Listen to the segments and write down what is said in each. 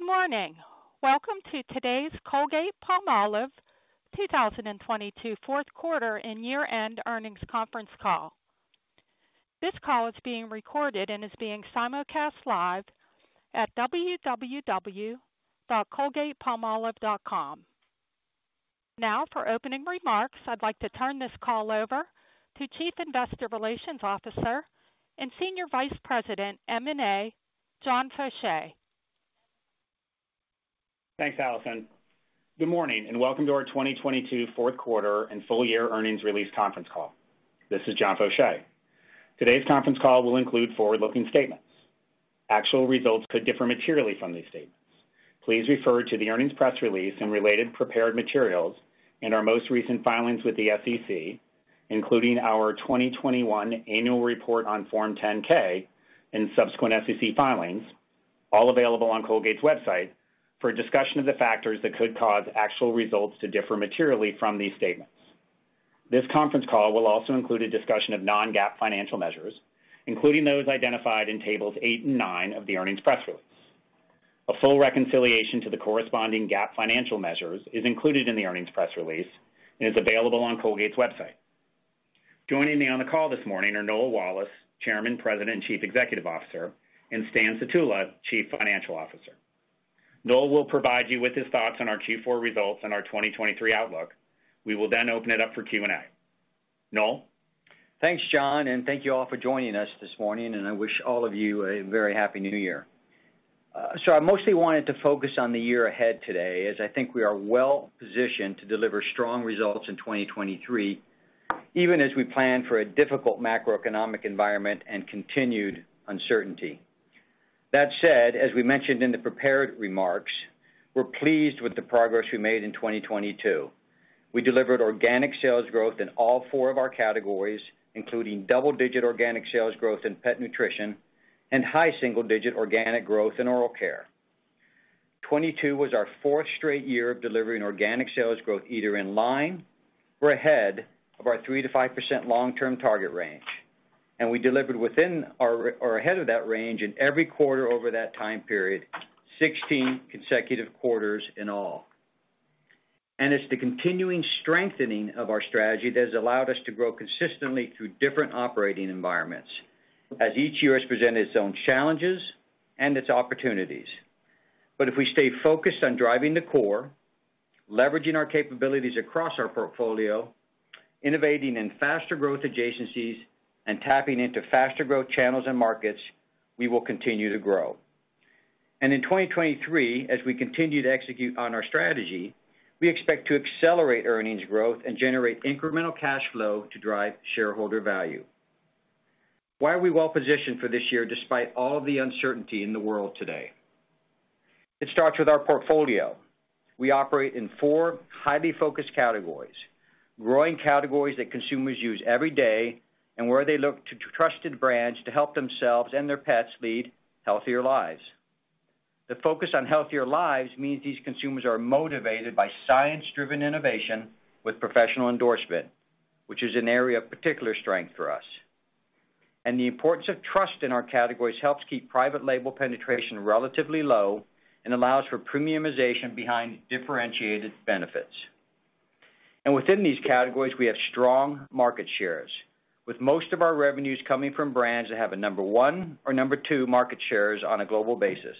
Good morning. Welcome to today's Colgate-Palmolive 2022 fourth quarter and year-end earnings conference call. This call is being recorded and is being simulcast live at www.colgatepalmolive.com. Now, for opening remarks, I'd like to turn this call over to Chief Investor Relations Officer and Senior Vice President M&A, John Faucher. Thanks, Allison. Good morning, welcome to our 2022 fourth quarter and full year earnings release conference call. This is John Faucher. Today's conference call will include forward-looking statements. Actual results could differ materially from these statements. Please refer to the earnings press release and related prepared materials in our most recent filings with the SEC, including our 2021 annual report on Form 10-K and subsequent SEC filings, all available on Colgate's website, for a discussion of the factors that could cause actual results to differ materially from these statements. This conference call will also include a discussion of non-GAAP financial measures, including those identified in tables eight and nine of the earnings press release. A full reconciliation to the corresponding GAAP financial measures is included in the earnings press release and is available on Colgate's website. Joining me on the call this morning are Noel Wallace, Chairman, President, and Chief Executive Officer, and Stan Sutula, Chief Financial Officer. Noel will provide you with his thoughts on our Q4 results and our 2023 outlook. We will then open it up for Q&A. Noel? Thanks, John. Thank you all for joining us this morning. I wish all of you a very happy new year. I mostly wanted to focus on the year ahead today, as I think we are well-positioned to deliver strong results in 2023, even as we plan for a difficult macroeconomic environment and continued uncertainty. That said, as we mentioned in the prepared remarks, we're pleased with the progress we made in 2022. We delivered organic sales growth in all four of our categories, including double-digit organic sales growth in pet nutrition and high single-digit organic growth in oral care. 2022 was our fourth straight year of delivering organic sales growth either in line or ahead of our 3%-5% long-term target range. We delivered within or ahead of that range in every quarter over that time period, 16 consecutive quarters in all. It's the continuing strengthening of our strategy that has allowed us to grow consistently through different operating environments as each year has presented its own challenges and its opportunities. If we stay focused on driving the core, leveraging our capabilities across our portfolio, innovating in faster growth adjacencies, and tapping into faster growth channels and markets, we will continue to grow. In 2023, as we continue to execute on our strategy, we expect to accelerate earnings growth and generate incremental cash flow to drive shareholder value. Why are we well positioned for this year despite all the uncertainty in the world today? It starts with our portfolio. We operate in four highly focused categories, growing categories that consumers use every day and where they look to trusted brands to help themselves and their pets lead healthier lives. The focus on healthier lives means these consumers are motivated by science-driven innovation with professional endorsement, which is an area of particular strength for us. The importance of trust in our categories helps keep private label penetration relatively low and allows for premiumization behind differentiated benefits. Within these categories, we have strong market shares, with most of our revenues coming from brands that have a number one or number two market shares on a global basis.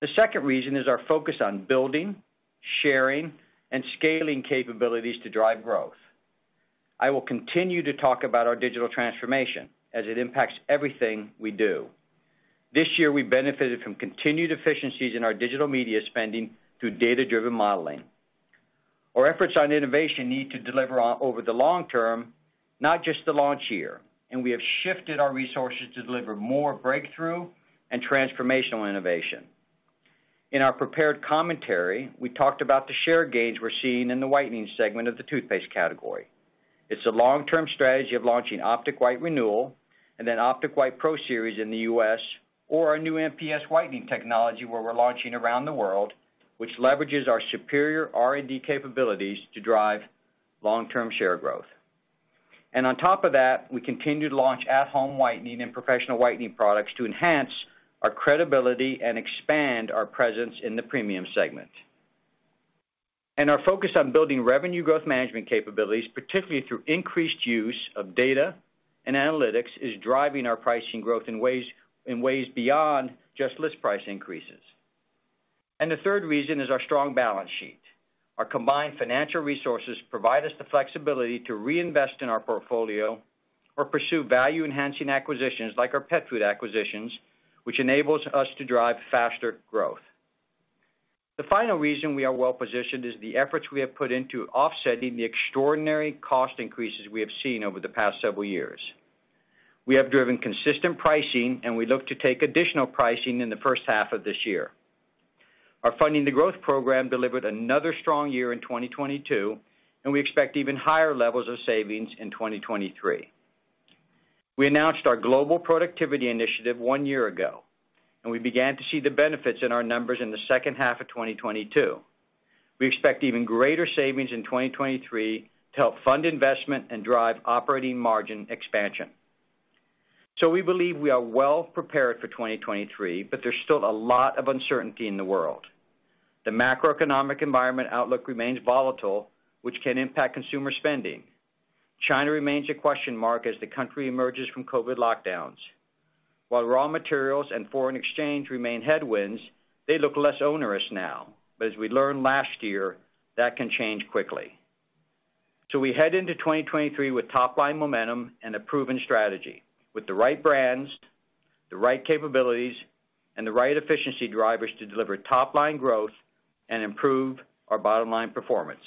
The second reason is our focus on building, sharing, and scaling capabilities to drive growth. I will continue to talk about our digital transformation as it impacts everything we do. This year, we benefited from continued efficiencies in our digital media spending through data-driven modeling. Our efforts on innovation need to deliver over the long term, not just the launch year. We have shifted our resources to deliver more breakthrough and transformational innovation. In our prepared commentary, we talked about the share gains we're seeing in the whitening segment of the toothpaste category. It's a long-term strategy of launching Colgate Optic White Renewal and then Colgate Optic White Pro Series in the U.S. or our new MPS whitening technology, where we're launching around the world, which leverages our superior R&D capabilities to drive long-term share growth. On top of that, we continue to launch at-home whitening and professional whitening products to enhance our credibility and expand our presence in the premium segment. Our focus on building revenue growth management capabilities, particularly through increased use of data and analytics, is driving our pricing growth in ways beyond just list price increases. The third reason is our strong balance sheet. Our combined financial resources provide us the flexibility to reinvest in our portfolio or pursue value-enhancing acquisitions like our pet food acquisitions, which enables us to drive faster growth. The final reason we are well positioned is the efforts we have put into offsetting the extraordinary cost increases we have seen over the past several years. We have driven consistent pricing, and we look to take additional pricing in the first half of this year. Our Funding the Growth program delivered another strong year in 2022, and we expect even higher levels of savings in 2023. We announced our Global Productivity Initiative one year ago, and we began to see the benefits in our numbers in the second half of 2022. We expect even greater savings in 2023 to help fund investment and drive operating margin expansion. We believe we are well-prepared for 2023, but there's still a lot of uncertainty in the world. The macroeconomic environment outlook remains volatile, which can impact consumer spending. China remains a question mark as the country emerges from COVID lockdowns. While raw materials and foreign exchange remain headwinds, they look less onerous now. As we learned last year, that can change quickly. We head into 2023 with top-line momentum and a proven strategy with the right brands, the right capabilities, and the right efficiency drivers to deliver top line growth and improve our bottom-line performance.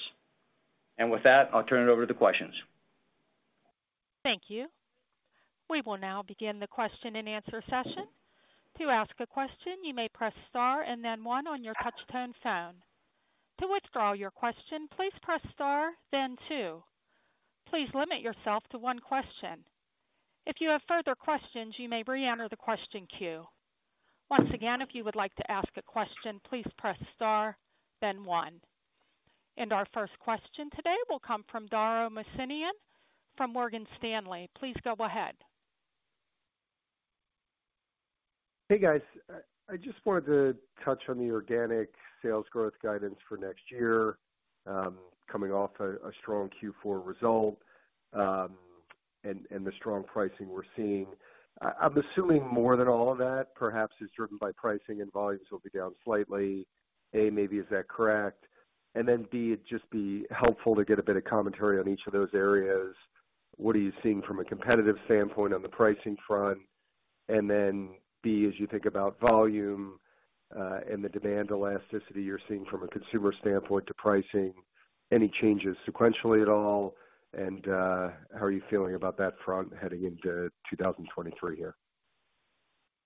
With that, I'll turn it over to the questions. Thank you. We will now begin the question-and-answer session. To ask a question, you may press star and then one on your touch-tone phone. To withdraw your question, please press Star, then two. Please limit yourself to one question. If you have further questions, you may reenter the question queue. Once again, if you would like to ask a question, please press star, then one. Our first question today will come from Dara Mohsenian from Morgan Stanley. Please go ahead. Hey, guys. I just wanted to touch on the organic sales growth guidance for next year, coming off a strong Q4 result, and the strong pricing we're seeing. I'm assuming more than all of that perhaps is driven by pricing and volumes will be down slightly. A, maybe is that correct? Then, B, it'd just be helpful to get a bit of commentary on each of those areas. What are you seeing from a competitive standpoint on the pricing front? Then, B, as you think about volume, and the demand elasticity you're seeing from a consumer standpoint to pricing, any changes sequentially at all? How are you feeling about that front heading into 2023 here?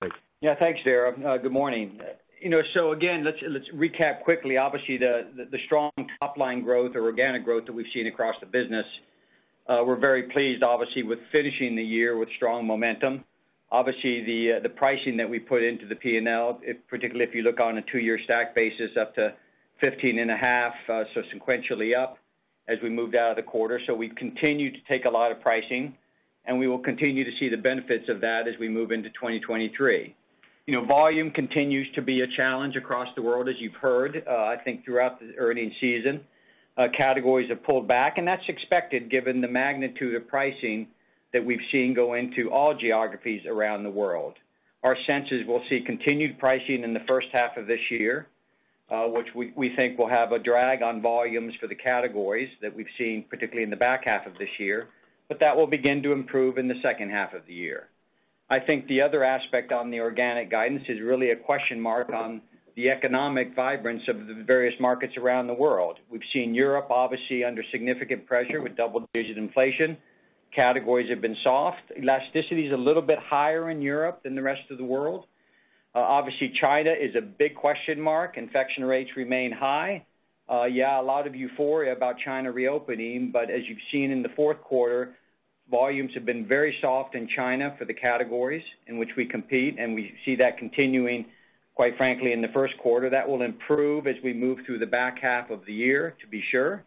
Thanks. Yeah, thanks, Dara. Good morning. You know, again, let's recap quickly. Obviously, the strong top-line growth or organic growth that we've seen across the business, we're very pleased, obviously, with finishing the year with strong momentum. Obviously, the pricing that we put into the P&L, particularly if you look on a two-year stack basis, up to 15.5%, so sequentially up as we moved out of the quarter. We've continued to take a lot of pricing, and we will continue to see the benefits of that as we move into 2023. You know, volume continues to be a challenge across the world, as you've heard, I think throughout the earning season. Categories have pulled back, that's expected given the magnitude of pricing that we've seen go into all geographies around the world. Our sense is we'll see continued pricing in the first half of this year, which we think will have a drag on volumes for the categories that we've seen, particularly in the back half of this year, but that will begin to improve in the second half of the year. The other aspect on the organic guidance is really a question mark on the economic vibrance of the various markets around the world. We've seen Europe obviously under significant pressure with double-digit inflation. Categories have been soft. Elasticity is a little bit higher in Europe than the rest of the world. Obviously, China is a big question mark. Infection rates remain high. Yeah, a lot of euphoria about China reopening, As you've seen in the fourth quarter, volumes have been very soft in China for the categories in which we compete, We see that continuing, quite frankly, in the first quarter. That will improve as we move through the back half of the year, to be sure.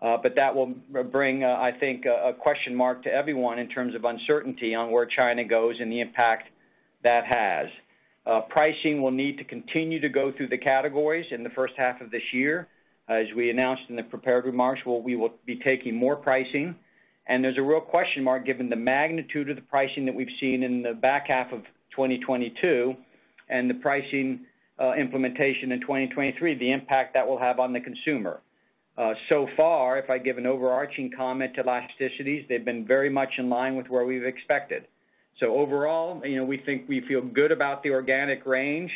That will bring I think a question mark to everyone in terms of uncertainty on where China goes and the impact that has. Pricing will need to continue to go through the categories in the first half of this year. As we announced in the prepared remarks, we will be taking more pricing. There's a real question mark, given the magnitude of the pricing that we've seen in the back half of 2022 and the pricing implementation in 2023, the impact that will have on the consumer. So far, if I give an overarching comment to elasticities, they've been very much in line with where we've expected. Overall, you know, we think we feel good about the organic range.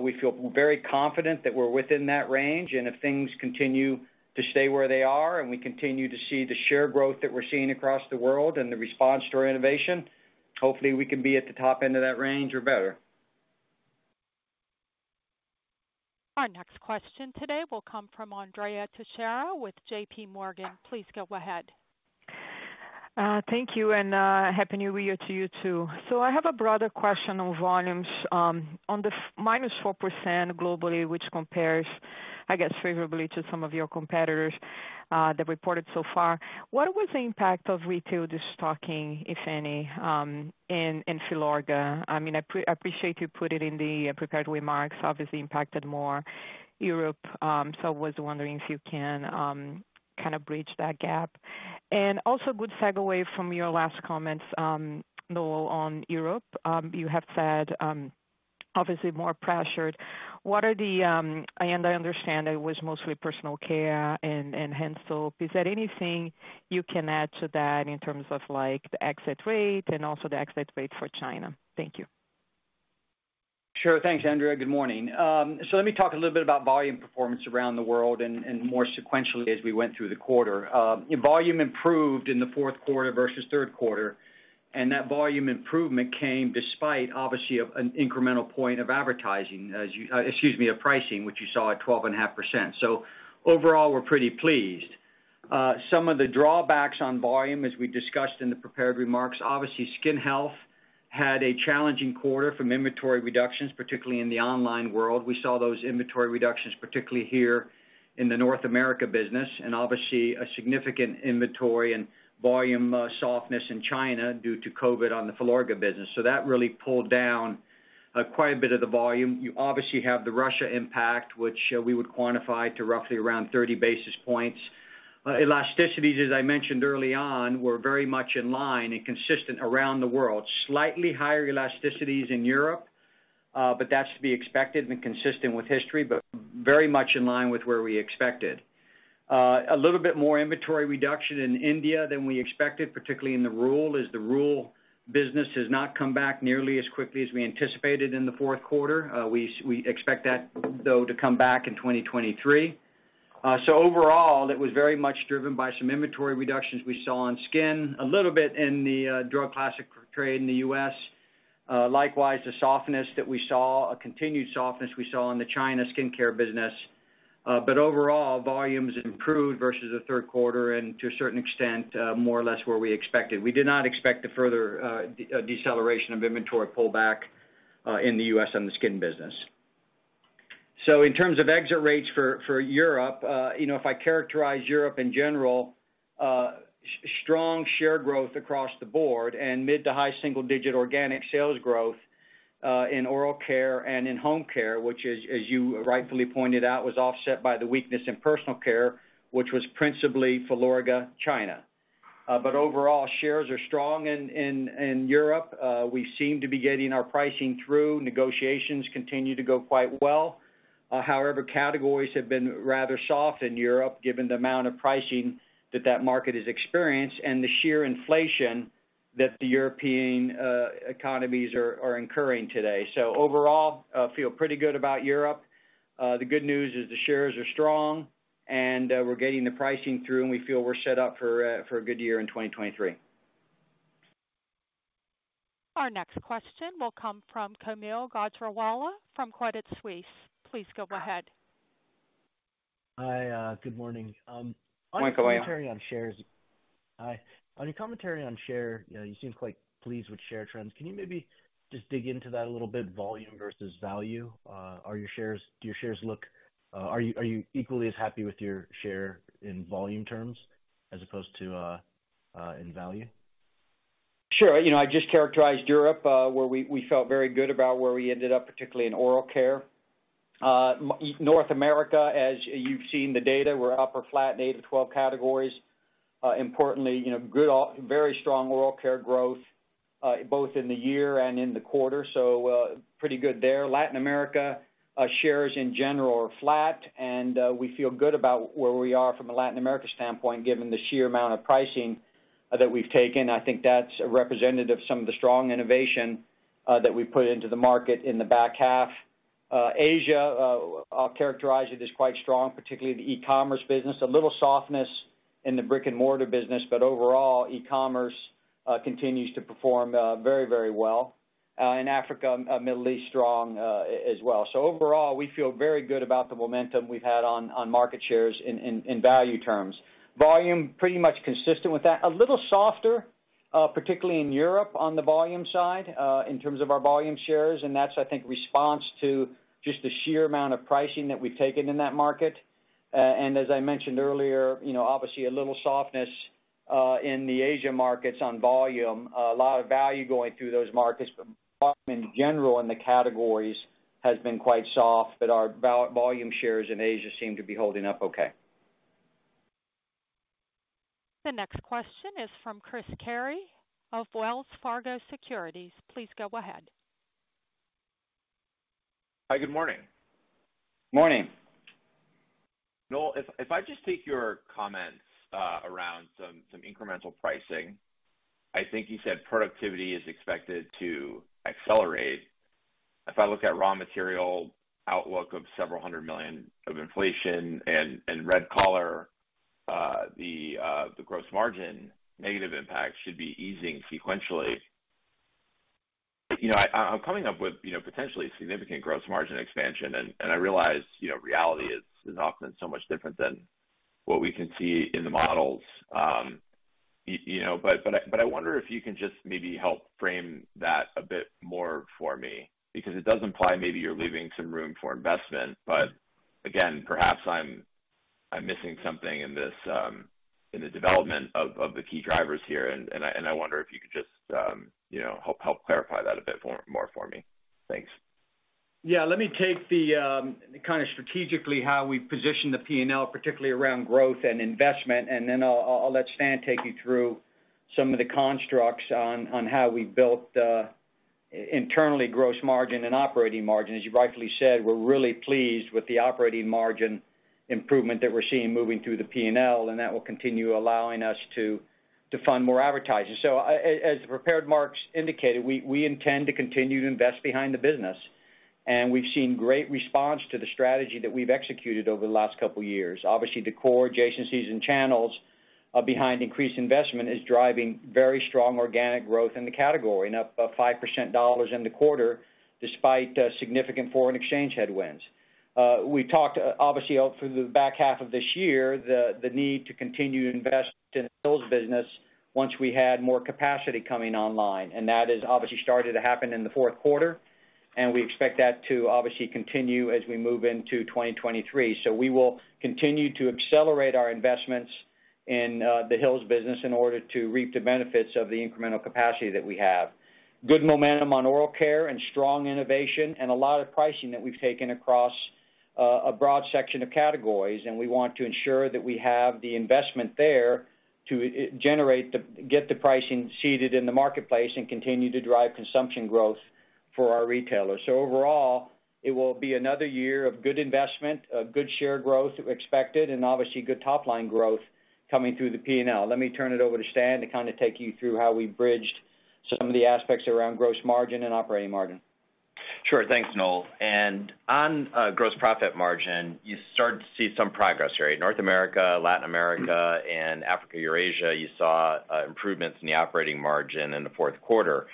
We feel very confident that we're within that range. If things continue to stay where they are and we continue to see the share growth that we're seeing across the world and the response to our innovation, hopefully, we can be at the top end of that range or better. Our next question today will come from Andrea Teixeira with JPMorgan. Please go ahead. Thank you, happy New Year to you, too. I have a broader question on volumes, on the minus 4% globally, which compares, I guess, favorably to some of your competitors that reported so far. What was the impact of retail destocking, if any, in Filorga? I mean, I appreciate you put it in the prepared remarks, obviously impacted more Europe. I was wondering if you can kind of bridge that gap. Also good segue from your last comments, Noel, on Europe. You have said, obviously more pressured. What are the? I understand it was mostly personal care and hand soap. Is there anything you can add to that in terms of, like, the exit rate and also the exit rate for China? Thank you. Sure. Thanks, Andrea. Good morning. Let me talk a little bit about volume performance around the world and more sequentially as we went through the quarter. Volume improved in the fourth quarter versus third quarter, and that volume improvement came despite obviously of an incremental point of advertising as you, excuse me, of pricing, which you saw at 12.5%. Overall, we're pretty pleased. Some of the drawbacks on volume, as we discussed in the prepared remarks, obviously skin health had a challenging quarter from inventory reductions, particularly in the online world. We saw those inventory reductions, particularly here in the North America business and obviously a significant inventory and volume softness in China due to COVID on the Filorga business. That really pulled down quite a bit of the volume. You obviously have the Russia impact, which we would quantify to roughly around 30 basis points. Elasticities, as I mentioned early on, were very much in line and consistent around the world. Slightly higher elasticities in Europe, but that's to be expected and consistent with history, but very much in line with where we expected. A little bit more inventory reduction in India than we expected, particularly in the rural, as the rural business has not come back nearly as quickly as we anticipated in the fourth quarter. We expect that though to come back in 2023. Overall, it was very much driven by some inventory reductions we saw on skin, a little bit in the drug class of trade in the U.S. Likewise, the softness that we saw, a continued softness we saw in the China skincare business. Overall, volumes improved versus the third quarter and to a certain extent, more or less where we expected. We did not expect the further deceleration of inventory pullback in the U.S. on the skin business. In terms of exit rates for Europe, you know, if I characterize Europe in general, strong share growth across the board and mid-to-high single-digit organic sales growth in oral care and in home care, which as you rightfully pointed out, was offset by the weakness in personal care, which was principally Filorga China. Overall, shares are strong in Europe. We seem to be getting our pricing through. Negotiations continue to go quite well. However, categories have been rather soft in Europe given the amount of pricing that that market has experienced and the sheer inflation that the European economies are incurring today. Overall, feel pretty good about Europe. The good news is the shares are strong and we're getting the pricing through, and we feel we're set up for a good year in 2023. Our next question will come from Kaumil Gajrawala from Credit Suisse. Please go ahead. Hi, good morning. Good morning, Kaumil. On your commentary on shares. Hi. On your commentary on share, you know, you seem quite pleased with share trends. Can you maybe just dig into that a little bit, volume versus value? Do your shares look, are you equally as happy with your share in volume terms as opposed to in value? Sure. You know, I just characterized Europe, where we felt very good about where we ended up, particularly in oral care. North America, as you've seen the data, we're up or flat in eight of 12 categories. Importantly, you know, very strong oral care growth, both in the year and in the quarter. Pretty good there. Latin America, shares in general are flat, and we feel good about where we are from a Latin America standpoint, given the sheer amount of pricing that we've taken. I think that's representative of some of the strong innovation that we put into the market in the back half. Asia, I'll characterize it as quite strong, particularly the e-commerce business. A little softness in the brick-and-mortar business, but overall, e-commerce continues to perform very, very well. In Africa, Middle East, strong as well. Overall, we feel very good about the momentum we've had on market shares in value terms. Volume, pretty much consistent with that. A little softer, particularly in Europe on the volume side, in terms of our volume shares, and that's, I think, response to just the sheer amount of pricing that we've taken in that market. As I mentioned earlier, you know, obviously a little softness in the Asia markets on volume. A lot of value going through those markets, but volume in general in the categories has been quite soft, but our volume shares in Asia seem to be holding up okay. The next question is from Chris Carey of Wells Fargo Securities. Please go ahead. Hi, good morning. Morning. Noel, if I just take your comments around incremental pricing, I think you said productivity is expected to accelerate. If I look at raw material outlook of several hundred million of inflation and Red Collar, the gross margin negative impact should be easing sequentially. You know, I'm coming up with, you know, potentially significant gross margin expansion, and I realize, you know, reality is often so much different than what we can see in the models. You know, I wonder if you can just maybe help frame that a bit more for me because it does imply maybe you're leaving some room for investment. Again, perhaps I'm missing something in this, in the development of the key drivers here, and I wonder if you could just, you know, help clarify that a bit more for me. Thanks. Yeah. Let me take the kind of strategically how we position the P&L, particularly around growth and investment, and then I'll let Stan take you through some of the constructs on how we built internally gross margin and operating margin. As you rightfully said, we're really pleased with the operating margin improvement that we're seeing moving through the P&L, and that will continue allowing us to fund more advertising. As prepared remarks indicated, we intend to continue to invest behind the business, and we've seen great response to the strategy that we've executed over the last two years. Obviously, the core agencies and channels are behind increased investment is driving very strong organic growth in the category and up 5% dollars in the quarter despite significant foreign exchange headwinds. We talked, obviously out through the back half of this year, the need to continue to invest in the Hill's business once we had more capacity coming online. That has obviously started to happen in the fourth quarter, and we expect that to obviously continue as we move into 2023. We will continue to accelerate our investments in the Hill's business in order to reap the benefits of the incremental capacity that we have. Good momentum on oral care and strong innovation and a lot of pricing that we've taken across a broad section of categories. We want to ensure that we have the investment there to generate get the pricing seeded in the marketplace and continue to drive consumption growth for our retailers. Overall, it will be another year of good investment, of good share growth we expected, and obviously good top line growth coming through the P&L. Let me turn it over to Stan to kind of take you through how we bridged some of the aspects around gross margin and operating margin. Sure. Thanks, Noel. On gross profit margin, you start to see some progress, right. North America, Latin America, and Africa, Eurasia, you saw improvements in the operating margin in the fourth quarter.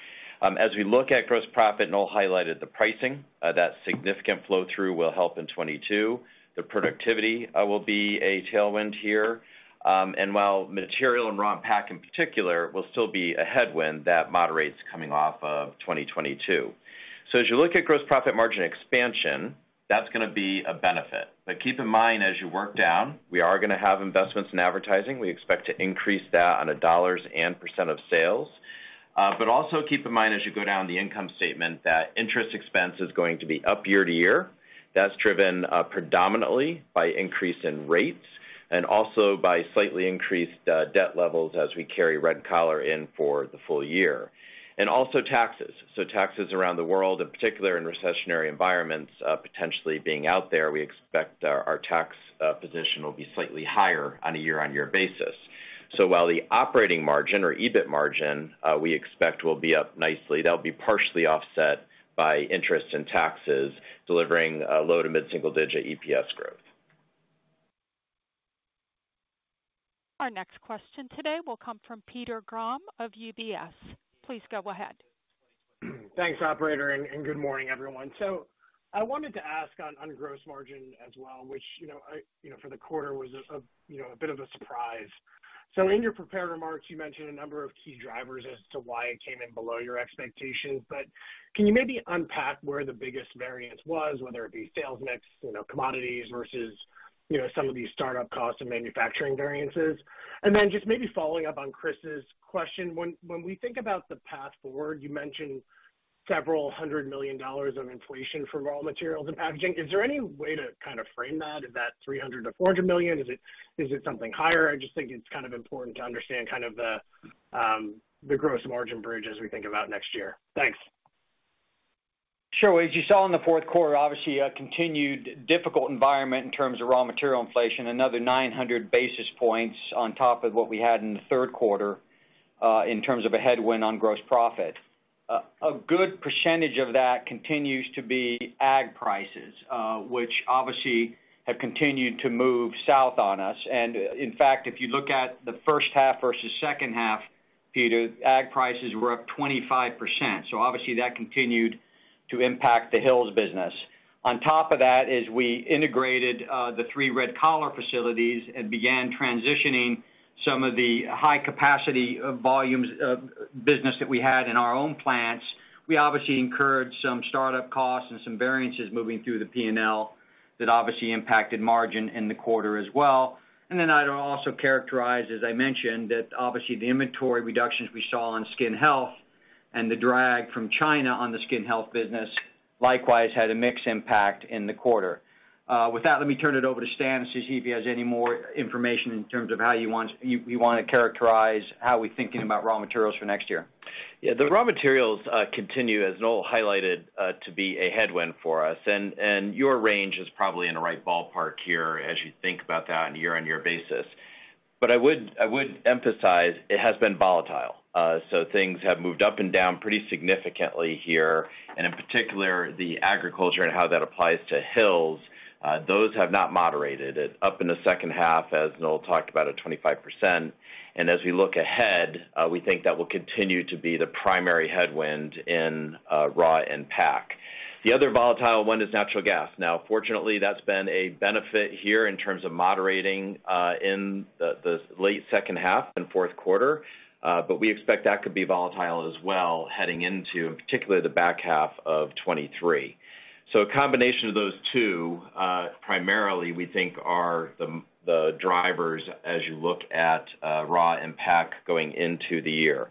As we look at gross profit, Noel highlighted the pricing, that significant flow through will help in 2022. The productivity will be a tailwind here. While material and raw pack in particular will still be a headwind, that moderates coming off of 2022. As you look at gross profit margin expansion, that's gonna be a benefit. But keep in mind, as you work down, we are gonna have investments in advertising. We expect to increase that on a dollars and percent of sales. But also keep in mind, as you go down the income statement, that interest expense is going to be up year-over-year. That's driven predominantly by increase in rates and also by slightly increased debt levels as we carry Red Collar in for the full year. Also taxes. Taxes around the world, in particular in recessionary environments, potentially being out there, we expect our tax position will be slightly higher on a year-on-year basis. While the operating margin or EBIT margin, we expect will be up nicely, that'll be partially offset by interest in taxes, delivering a low to mid-single digit EPS growth. Our next question today will come from Peter Grom of UBS. Please go ahead. Thanks, operator. Good morning, everyone. I wanted to ask on gross margin as well, which, you know, for the quarter was a, you know, a bit of a surprise. In your prepared remarks, you mentioned a number of key drivers as to why it came in below your expectations. Can you maybe unpack where the biggest variance was, whether it be sales mix, you know, commodities versus, you know, some of these startup costs and manufacturing variances? Just maybe following up on Chris's question, when we think about the path forward, you mentioned several hundred million dollars on inflation for raw materials and packaging. Is there any way to kind of frame that? Is that $300 million-$400 million? Is it something higher? I just think it's kind of important to understand kind of the gross margin bridge as we think about next year. Thanks. Sure. As you saw in the fourth quarter, obviously a continued difficult environment in terms of raw material inflation, another 900 basis points on top of what we had in the third quarter, in terms of a headwind on gross profit. A good percentage of that continues to be ag prices, which obviously have continued to move south on us. In fact, if you look at the first half versus second half, Peter, ag prices were up 25%. Obviously that continued to impact the Hill's business. On top of that is we integrated, the three Red Collar facilities and began transitioning some of the high capacity of volumes of business that we had in our own plants. We obviously incurred some startup costs and some variances moving through the P&L that obviously impacted margin in the quarter as well. I'd also characterize, as I mentioned, that obviously the inventory reductions we saw on skin health and the drag from China on the skin health business likewise had a mixed impact in the quarter. With that, let me turn it over to Stan to see if he has any more information in terms of how he wants to characterize how we're thinking about raw materials for next year. Yeah. The raw materials continue, as Noel highlighted, to be a headwind for us, and your range is probably in the right ballpark here as you think about that on a year-on-year basis. I would emphasize it has been volatile. Things have moved up and down pretty significantly here. In particular, the agriculture and how that applies to Hill's, those have not moderated. Up in the second half, as Noel talked about, at 25%. As we look ahead, we think that will continue to be the primary headwind in raw and pack. The other volatile one is natural gas. Fortunately, that's been a benefit here in terms of moderating in the late second half and fourth quarter, but we expect that could be volatile as well heading into particularly the back half of 2023. A combination of those two, primarily we think are the drivers as you look at raw pack going into the year.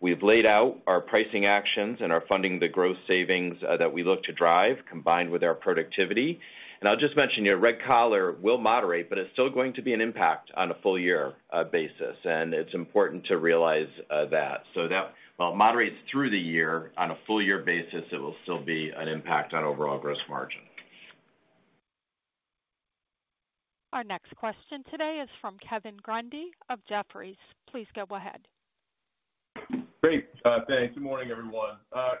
We've laid out our pricing actions and are Funding the Growth savings that we look to drive combined with our productivity. I'll just mention, Red Collar will moderate, but it's still going to be an impact on a full year basis, and it's important to realize that. That while it moderates through the year, on a full year basis, it will still be an impact on overall gross margin. Our next question today is from Kevin Grundy of Jefferies. Please go ahead. Great. Thanks. Good morning, everyone.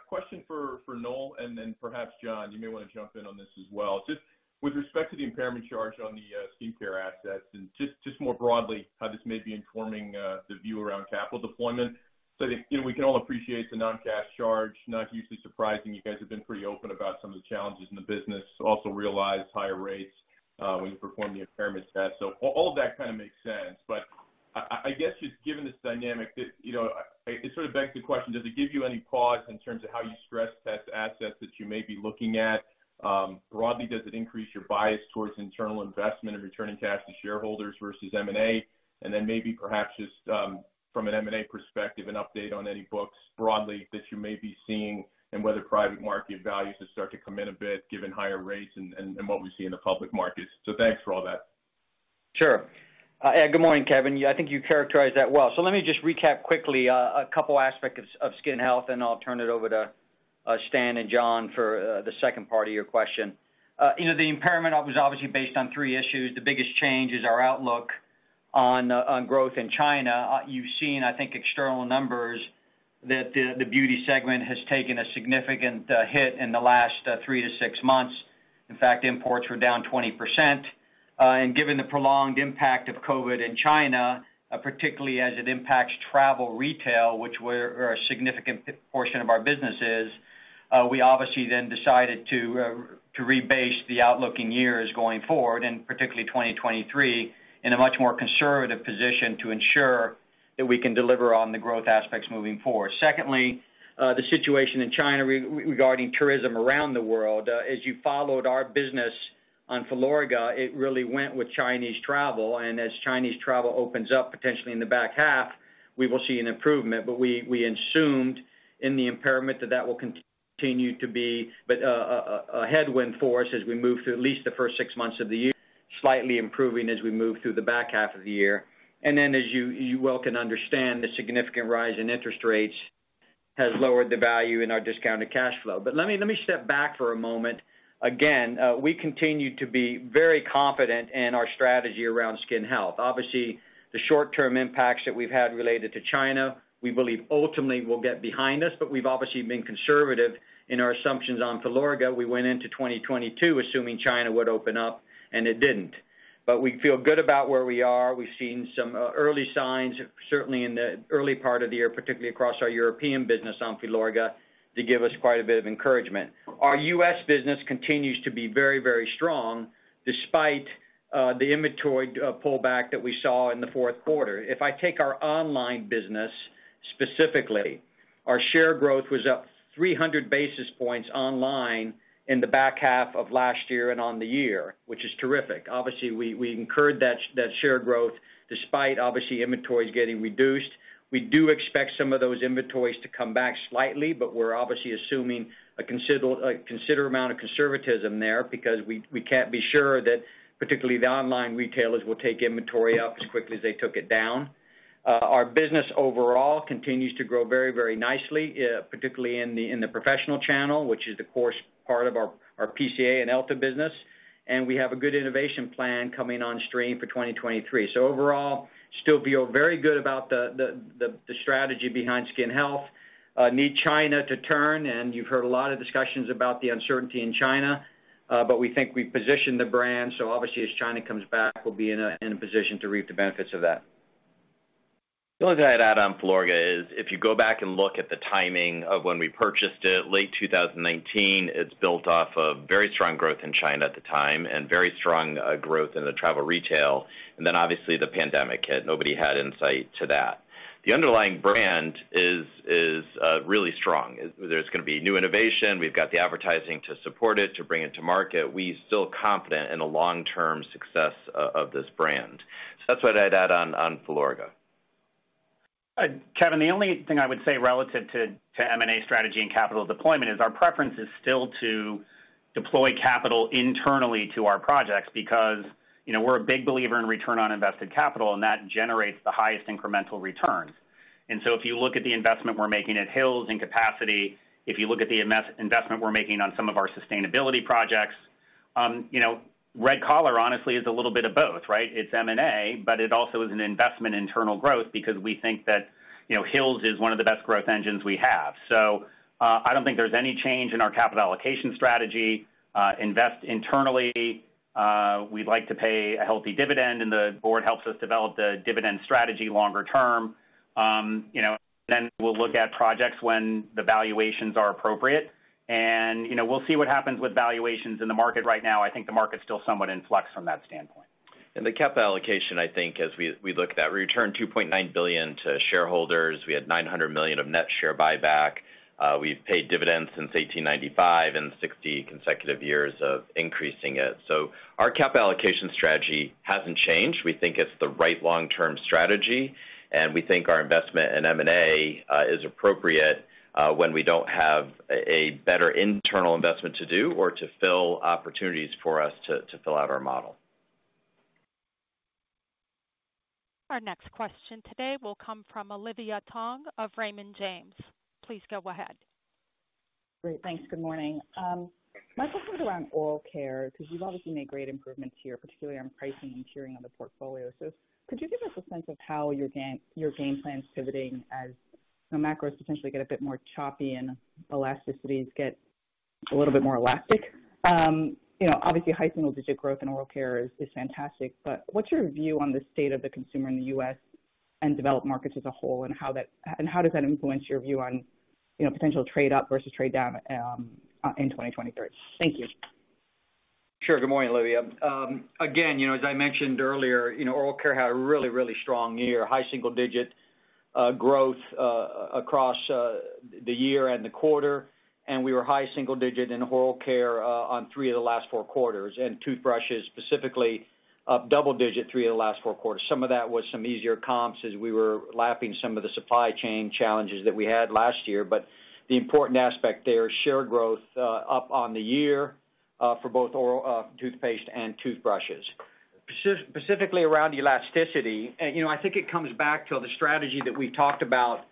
Question for Noel, and then perhaps, John, you may wanna jump in on this as well. Just with respect to the impairment charge on the skin care assets and just more broadly, how this may be informing the view around capital deployment. You know, we can all appreciate the non-cash charge, not hugely surprising. You guys have been pretty open about some of the challenges in the business, also realize higher rates when you perform the impairment test. All of that kind of makes sense. I guess just given this dynamic that, you know, it sort of begs the question, does it give you any pause in terms of how you stress test assets that you may be looking at? Broadly, does it increase your bias towards internal investment and returning cash to shareholders versus M&A? Then maybe perhaps just from an M&A perspective, an update on any books broadly that you may be seeing and whether private market values have started to come in a bit given higher rates and what we see in the public markets. Thanks for all that. Sure. Good morning, Kevin. I think you characterized that well. Let me just recap quickly, a couple aspects of skin health, and I'll turn it over to Stan and John for the second part of your question. You know, the impairment was obviously based on three issues. The biggest change is our outlook on growth in China. You've seen, I think, external numbers that the beauty segment has taken a significant hit in the last three to six months. In fact, imports were down 20%. Given the prolonged impact of COVID in China, particularly as it impacts travel retail, which we're a significant portion of our businesses, we obviously decided to rebase the outlook in years going forward, and particularly 2023, in a much more conservative position to ensure that we can deliver on the growth aspects moving forward. Secondly, the situation in China regarding tourism around the world. As you followed our business on Filorga, it really went with Chinese travel. As Chinese travel opens up potentially in the back half, we will see an improvement. We assumed in the impairment that that will continue to be a headwind for us as we move through at least the first six months of the year, slightly improving as we move through the back half of the year. As you well can understand, the significant rise in interest rates has lowered the value in our discounted cash flow. Let me step back for a moment. Again, we continue to be very confident in our strategy around skin health. Obviously, the short-term impacts that we've had related to China, we believe ultimately will get behind us. We've obviously been conservative in our assumptions on Filorga. We went into 2022 assuming China would open up, and it didn't. We feel good about where we are. We've seen some early signs, certainly in the early part of the year, particularly across our European business on Filorga, to give us quite a bit of encouragement. Our U.S. business continues to be very strong, despite the inventory pullback that we saw in the fourth quarter. If I take our online business specifically, our share growth was up 300 basis points online in the back half of last year and on the year, which is terrific. Obviously, we incurred that share growth despite obviously inventories getting reduced. We do expect some of those inventories to come back slightly, but we're obviously assuming a considerable amount of conservatism there because we can't be sure that particularly the online retailers will take inventory up as quickly as they took it down. Our business overall continues to grow very nicely, particularly in the professional channel, which is the core part of our PCA and Elta business. We have a good innovation plan coming on stream for 2023. Overall, still feel very good about the strategy behind skin health. Need China to turn. You've heard a lot of discussions about the uncertainty in China. We think we've positioned the brand. Obviously as China comes back, we'll be in a position to reap the benefits of that. The only thing I'd add on Filorga is if you go back and look at the timing of when we purchased it, late 2019, it's built off of very strong growth in China at the time and very strong growth in the travel retail. Obviously the pandemic hit. Nobody had insight to that. The underlying brand is really strong. There's gonna be new innovation. We've got the advertising to support it, to bring it to market. We still confident in the long-term success of this brand. That's what I'd add on Filorga. Kevin, the only thing I would say relative to M&A strategy and capital deployment is our preference is still to deploy capital internally to our projects because, you know, we're a big believer in return on invested capital, and that generates the highest incremental returns. If you look at the investment we're making at Hill's and capacity, if you look at the investment we're making on some of our sustainability projects, you know, Red Collar honestly is a little bit of both, right? It's M&A, but it also is an investment in internal growth because we think that, you know, Hill's is one of the best growth engines we have. I don't think there's any change in our capital allocation strategy. Invest internally. We'd like to pay a healthy dividend, and the board helps us develop the dividend strategy longer term. You know, then we'll look at projects when the valuations are appropriate. You know, we'll see what happens with valuations in the market right now. I think the market's still somewhat in flux from that standpoint. The capital allocation, I think, as we look at that, we returned $2.9 billion to shareholders. We had $900 million of net share buyback. We've paid dividends since 1895 and 60 consecutive years of increasing it. Our capital allocation strategy hasn't changed. We think it's the right long-term strategy, and we think our investment in M&A is appropriate when we don't have a better internal investment to do or to fill opportunities for us to fill out our model. Our next question today will come from Olivia Tong of Raymond James. Please go ahead. Great. Thanks. Good morning. Noel, sort of around oral care, 'cause you've obviously made great improvements here, particularly on pricing and tiering of the portfolio. Could you give us a sense of how your gain plan's pivoting as the macros potentially get a bit more choppy and elasticities get a little bit more elastic? You know, obviously, high single-digit growth in oral care is fantastic, but what's your view on the state of the consumer in the U.S. And developed markets as a whole, and how does that influence your view on, you know, potential trade up versus trade down in 2023? Thank you. Sure. Good morning, Olivia. again, you know, as I mentioned earlier, you know, oral care had a really, really strong year, high single-digit growth across the year and the quarter. We were high single-digit in oral care on three of last four quarters, and toothbrushes specifically, up double-digit three of the last four quarters. Some of that was some easier comps as we were lapping some of the supply chain challenges that we had last year. The important aspect there, share growth up on the year for both oral toothpaste and toothbrushes. Specifically around elasticity, you know, I think it comes back to the strategy that we talked about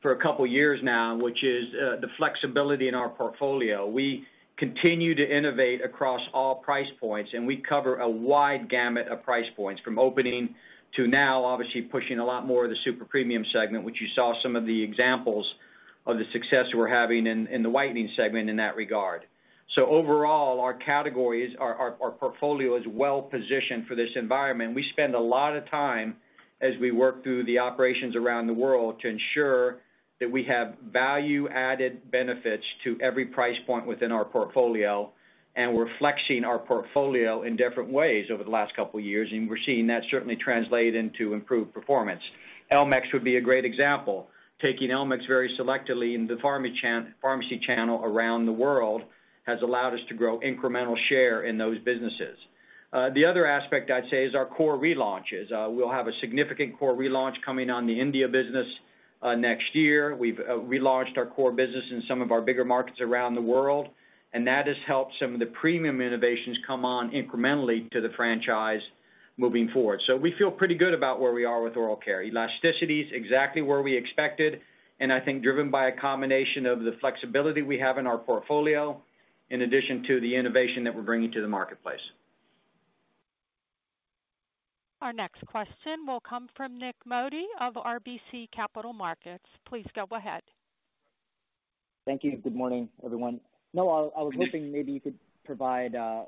for a couple of years now, which is the flexibility in our portfolio. We continue to innovate across all price points, and we cover a wide gamut of price points from opening to now, obviously pushing a lot more of the super premium segment, which you saw some of the examples of the success we're having in the whitening segment in that regard. Overall, our categories, our portfolio is well-positioned for this environment. We spend a lot of time as we work through the operations around the world to ensure that we have value-added benefits to every price point within our portfolio, and we're flexing our portfolio in different ways over the last couple of years, and we're seeing that certainly translate into improved performance. elmex would be a great example. Taking elmex very selectively in the pharmacy channel around the world has allowed us to grow incremental share in those businesses. The other aspect I'd say is our core relaunches. We'll have a significant core relaunch coming on the India business next year. We've relaunched our core business in some of our bigger markets around the world, and that has helped some of the premium innovations come on incrementally to the franchise moving forward. We feel pretty good about where we are with oral care. Elasticity is exactly where we expected, and I think driven by a combination of the flexibility we have in our portfolio, in addition to the innovation that we're bringing to the marketplace. Our next question will come from Nik Modi of RBC Capital Markets. Please go ahead. Thank you. Good morning, everyone. Noel, I was hoping maybe you could provide a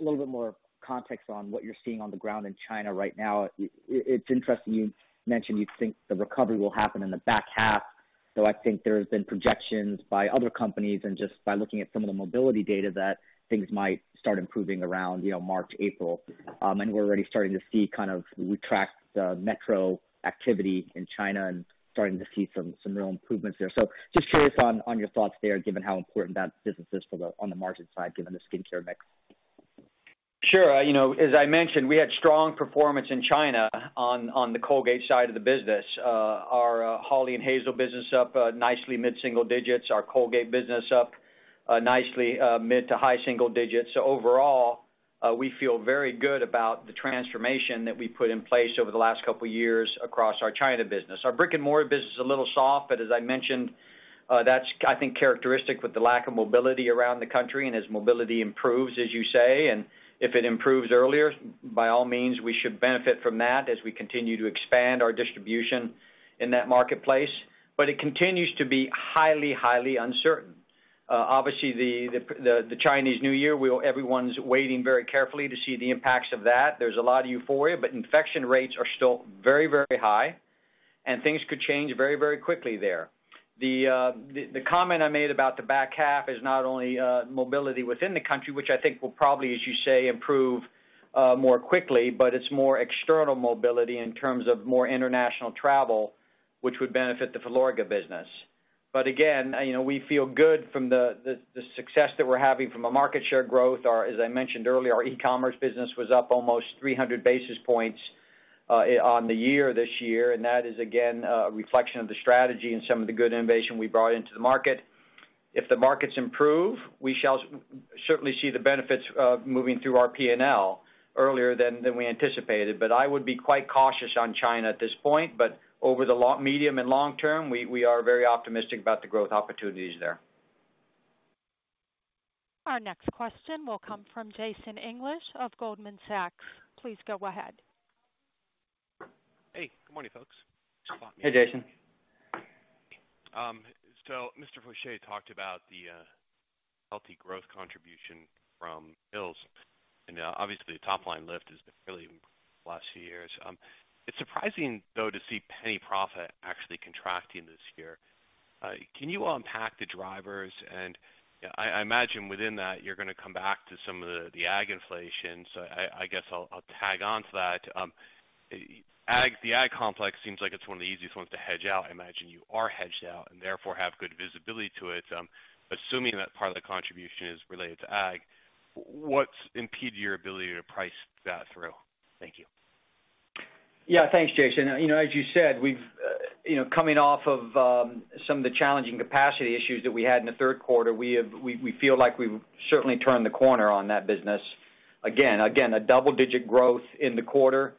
little bit more context on what you're seeing on the ground in China right now. It's interesting you mentioned you think the recovery will happen in the back half, though I think there's been projections by other companies and just by looking at some of the mobility data that things might start improving around, you know, March, April. We're already starting to see kind of, we tracked metro activity in China and starting to see some real improvements there. Just share with us on your thoughts there, given how important that business is for the on the margin side, given the skincare mix. Sure. You know, as I mentioned, we had strong performance in China on the Colgate side of the business. Our Hawley & Hazel business up nicely mid-single digits, our Colgate business up nicely mid to high single digits. Overall, we feel very good about the transformation that we put in place over the last couple of years across our China business. Our brick-and-mortar business is a little soft, as I mentioned, that's I think, characteristic with the lack of mobility around the country and as mobility improves, as you say, and if it improves earlier, by all means, we should benefit from that as we continue to expand our distribution in that marketplace. It continues to be highly uncertain. Obviously, the Chinese New Year, everyone's waiting very carefully to see the impacts of that. There's a lot of euphoria, infection rates are still very, very high, and things could change very, very quickly there. The comment I made about the back half is not only mobility within the country, which I think will probably, as you say, improve more quickly, but it's more external mobility in terms of more international travel, which would benefit the Filorga business. Again, you know, we feel good from the success that we're having from a market share growth. As I mentioned earlier, our e-commerce business was up almost 300 basis points on the year this year, and that is, again, a reflection of the strategy and some of the good innovation we brought into the market. If the markets improve, we shall certainly see the benefits of moving through our P&L earlier than we anticipated. I would be quite cautious on China at this point. Over the medium and long term, we are very optimistic about the growth opportunities there. Our next question will come from Jason English of Goldman Sachs. Please go ahead. Hey, good morning, folks. Hey, Jason. Mr. Faucher talked about the healthy growth contribution from Hill's, and obviously, the top-line lift has been really the last few years. It's surprising, though, to see penny profit actually contracting this year. Can you unpack the drivers? I imagine within that, you're gonna come back to some of the ag inflation. I guess I'll tag on to that. The ag complex seems like it's one of the easiest ones to hedge out. I imagine you are hedged out and therefore have good visibility to it. Assuming that part of the contribution is related to ag, what's impeded your ability to price that through? Thank you. Yeah. Thanks, Jason. You know, as you said, we've, you know, coming off of, some of the challenging capacity issues that we had in the third quarter, we feel like we've certainly turned the corner on that business. Again, a double-digit growth in the quarter.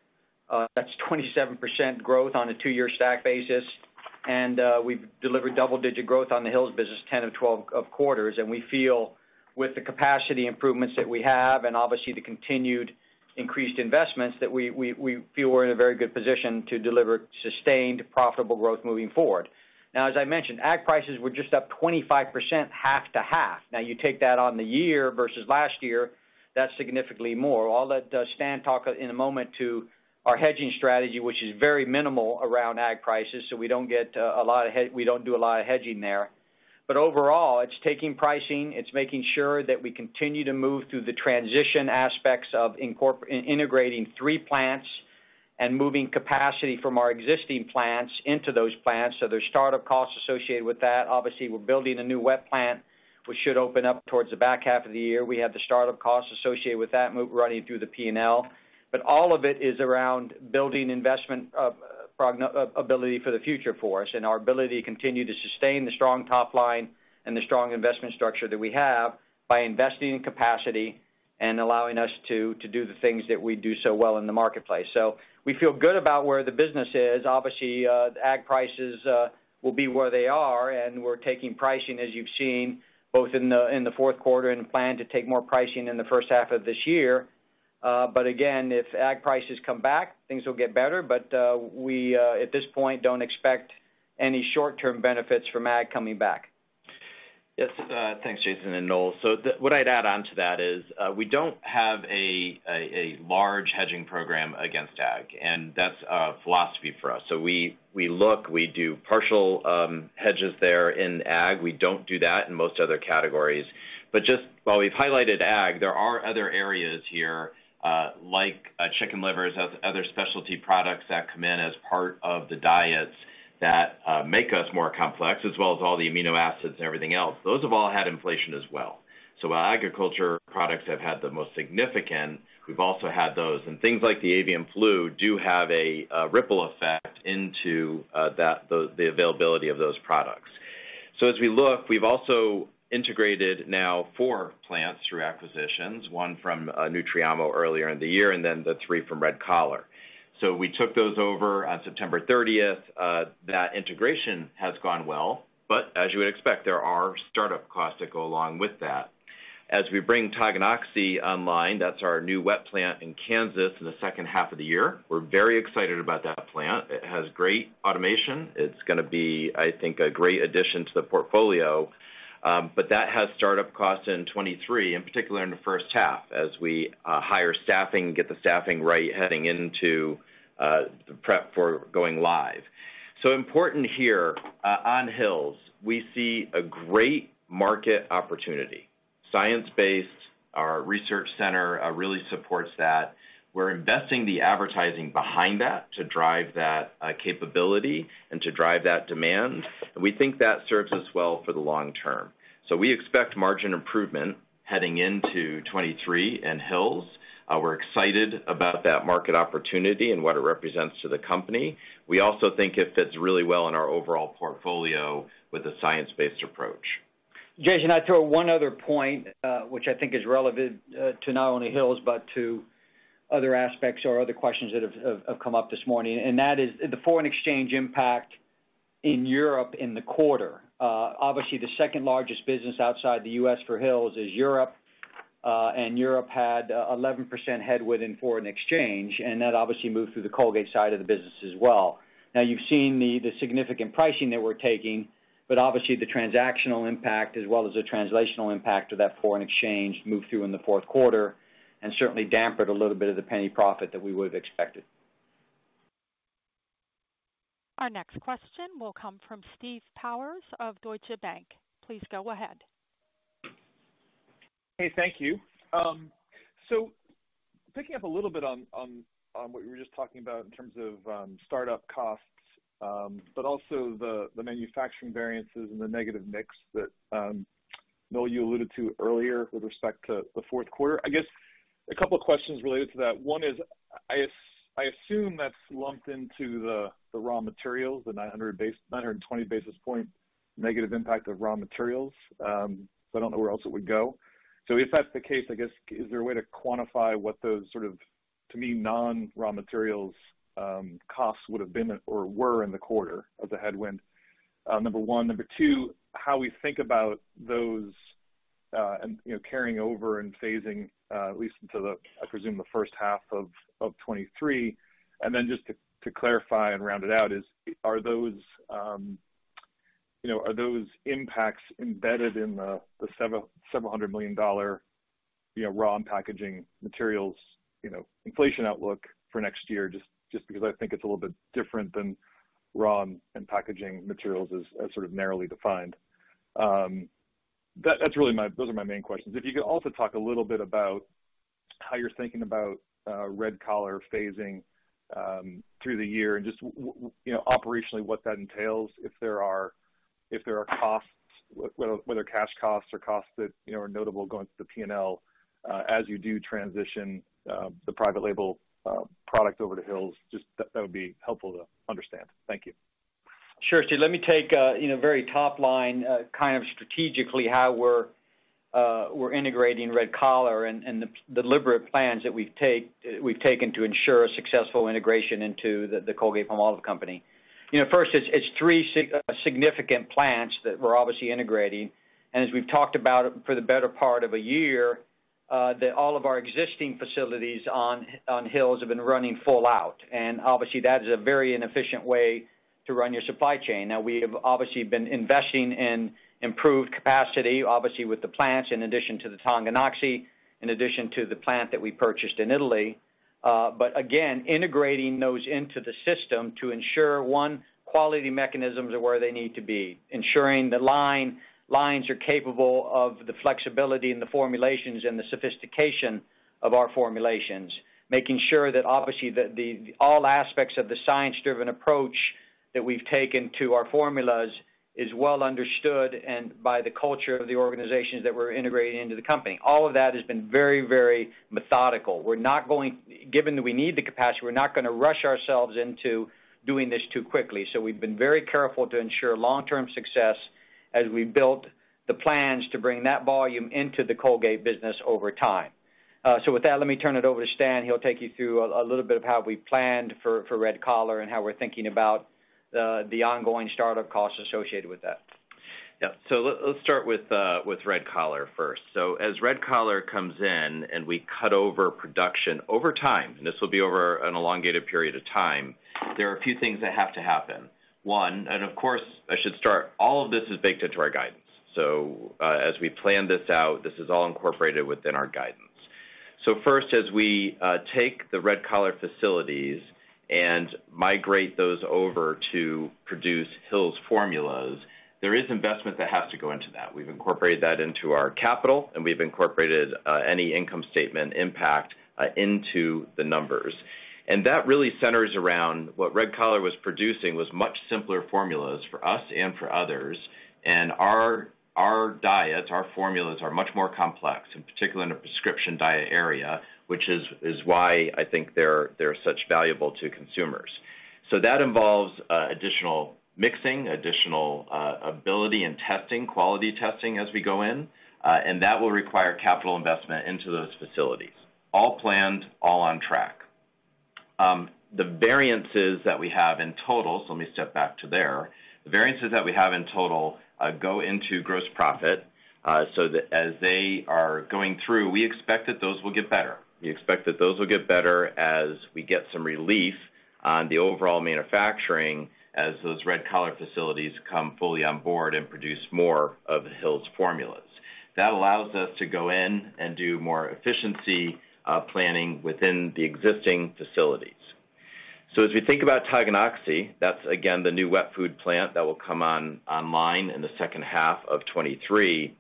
That's 27% growth on a two year stack basis. We've delivered double-digit growth on the Hill's business 10 of 12 quarters. We feel with the capacity improvements that we have and obviously the continued increased investments, that we feel we're in a very good position to deliver sustained, profitable growth moving forward. As I mentioned, ag prices were just up 25% half to half. You take that on the year versus last year, that's significantly more. I'll let Stan talk in a moment to our hedging strategy, which is very minimal around ag prices, so we don't do a lot of hedging there. Overall, it's taking pricing, it's making sure that we continue to move through the transition aspects of integrating three plants and moving capacity from our existing plants into those plants. There's startup costs associated with that. Obviously, we're building a new wet plant, which should open up towards the back half of the year. We have the startup costs associated with that move running through the P&L. All of it is around building investment ability for the future for us and our ability to continue to sustain the strong top line and the strong investment structure that we have by investing in capacity and allowing us to do the things that we do so well in the marketplace. We feel good about where the business is. Obviously, the ag prices will be where they are, and we're taking pricing, as you've seen, both in the fourth quarter and plan to take more pricing in the first half of this year. Again, if ag prices come back, things will get better. We, at this point, don't expect any short-term benefits from ag coming back. Yes, thanks, Jason and Noel. What I'd add on to that is, we don't have a large hedging program against ag, and that's a philosophy for us. We look, we do partial hedges there in ag. We don't do that in most other categories. Just while we've highlighted ag, there are other areas here, like chicken livers, other specialty products that come in as part of the diets that make us more complex, as well as all the amino acids and everything else. Those have all had inflation as well. While agriculture products have had the most significant, we've also had those. Things like the avian flu do have a ripple effect into the availability of those products. As we look, we've also integrated now four plants through acquisitions, one from Nutriamo earlier in the year and then the three from Red Collar. We took those over on September 30th. That integration has gone well, but as you would expect, there are startup costs that go along with that. As we bring Tonganoxie online, that's our new wet plant in Kansas in the second half of the year, we're very excited about that plant. It has great automation. It's gonna be, I think, a great addition to the portfolio. But that has startup costs in 2023, in particular in the first half, as we hire staffing, get the staffing right heading into prep for going live. Important here, on Hill's, we see a great market opportunity. Science-based, our research center really supports that. We're investing the advertising behind that to drive that capability and to drive that demand. We think that serves us well for the long term. We expect margin improvement heading into 2023 in Hill's. We're excited about that market opportunity and what it represents to the company. We also think it fits really well in our overall portfolio with a science-based approach. Jason, I'd throw one other point, which I think is relevant, to not only Hill's, but to other aspects or other questions that have come up this morning, and that is the foreign exchange impact in Europe in the quarter. Obviously, the second-largest business outside the U.S. for Hill's is Europe, and Europe had 11% headwind in foreign exchange, and that obviously moved through the Colgate side of the business as well. Now you've seen the significant pricing that we're taking, but obviously the transactional impact as well as the translational impact of that foreign exchange move through in the fourth quarter and certainly dampened a little bit of the penny profit that we would have expected. Our next question will come from Steve Powers of Deutsche Bank. Please go ahead. Hey, thank you. Picking up a little bit on what you were just talking about in terms of startup costs, but also the manufacturing variances and the negative mix that Noel alluded to earlier with respect to the fourth quarter. I guess a couple of questions related to that. One is, I assume that's lumped into the raw materials, the 920 basis point negative impact of raw materials, I don't know where else it would go. If that's the case, I guess, is there a way to quantify what those sort of, to me, non-raw materials costs would have been or were in the quarter of the headwind, number one? Number two, how we think about those, and, you know, carrying over and phasing, at least into the, I presume, the first half of 2023. Then just to clarify and round it out is, are those, you know, are those impacts embedded in the $700 million, you know, raw and packaging materials, you know, inflation outlook for next year? Just because I think it's a little bit different than raw and packaging materials as sort of narrowly defined. That's really my main questions. If you could also talk a little bit about how you're thinking about Red Collar phasing through the year and just you know, operationally, what that entails, if there are costs, whether cash costs or costs that, you know, are notable going through the P&L, as you do transition, the private label, product over to Hill's, just that would be helpful to understand. Thank you. Sure, Steve. Let me take, you know, very top line, kind of strategically how we're integrating Red Collar and the deliberate plans that we've taken to ensure a successful integration into the Colgate-Palmolive Company. You know, first, it's three significant plants that we're obviously integrating. As we've talked about for the better part of a year, that all of our existing facilities on Hill's have been running full out. Obviously, that is a very inefficient way to run your supply chain. We have obviously been investing in capacity, obviously with the plants in addition to the Tonganoxie, in addition to the plant that we purchased in Italy. Again, integrating those into the system to ensure, one, quality mechanisms are where they need to be, ensuring the lines are capable of the flexibility and the formulations and the sophistication of our formulations. Making sure that, obviously, the all aspects of the science-driven approach that we've taken to our formulas is well understood and by the culture of the organizations that we're integrating into the company. All of that has been very methodical. Given that we need the capacity, we're not gonna rush ourselves into doing this too quickly. We've been very careful to ensure long-term success as we built the plans to bring that volume into the Colgate business over time. With that, let me turn it over to Stan. He'll take you through a little bit of how we planned for Red Collar and how we're thinking about the ongoing startup costs associated with that. Let's start with Red Collar first. As Red Collar comes in and we cut over production over time, and this will be over an elongated period of time, there are a few things that have to happen. One. Of course, I should start, all of this is baked into our guidance. As we plan this out, this is all incorporated within our guidance. First, as we take the Red Collar facilities and migrate those over to produce Hill's formulas, there is investment that has to go into that. We've incorporated that into our capital, and we've incorporated any income statement impact into the numbers. That really centers around what Red Collar was producing was much simpler formulas for us and for others. Our diets, our formulas are much more complex, in particular in the Prescription Diet area, which is why I think they're such valuable to consumers. That involves additional mixing, additional ability and testing, quality testing as we go in, and that will require capital investment into those facilities. All planned, all on track. The variances that we have in total, let me step back to there. The variances that we have in total go into gross profit, that as they are going through, we expect that those will get better. We expect that those will get better as we get some relief on the overall manufacturing as those Red Collar facilities come fully on board and produce more of Hill's formulas. That allows us to go in and do more efficiency planning within the existing facilities. As we think about Tonganoxie, that's again, the new wet food plant that will come on-online in the second half of 2023.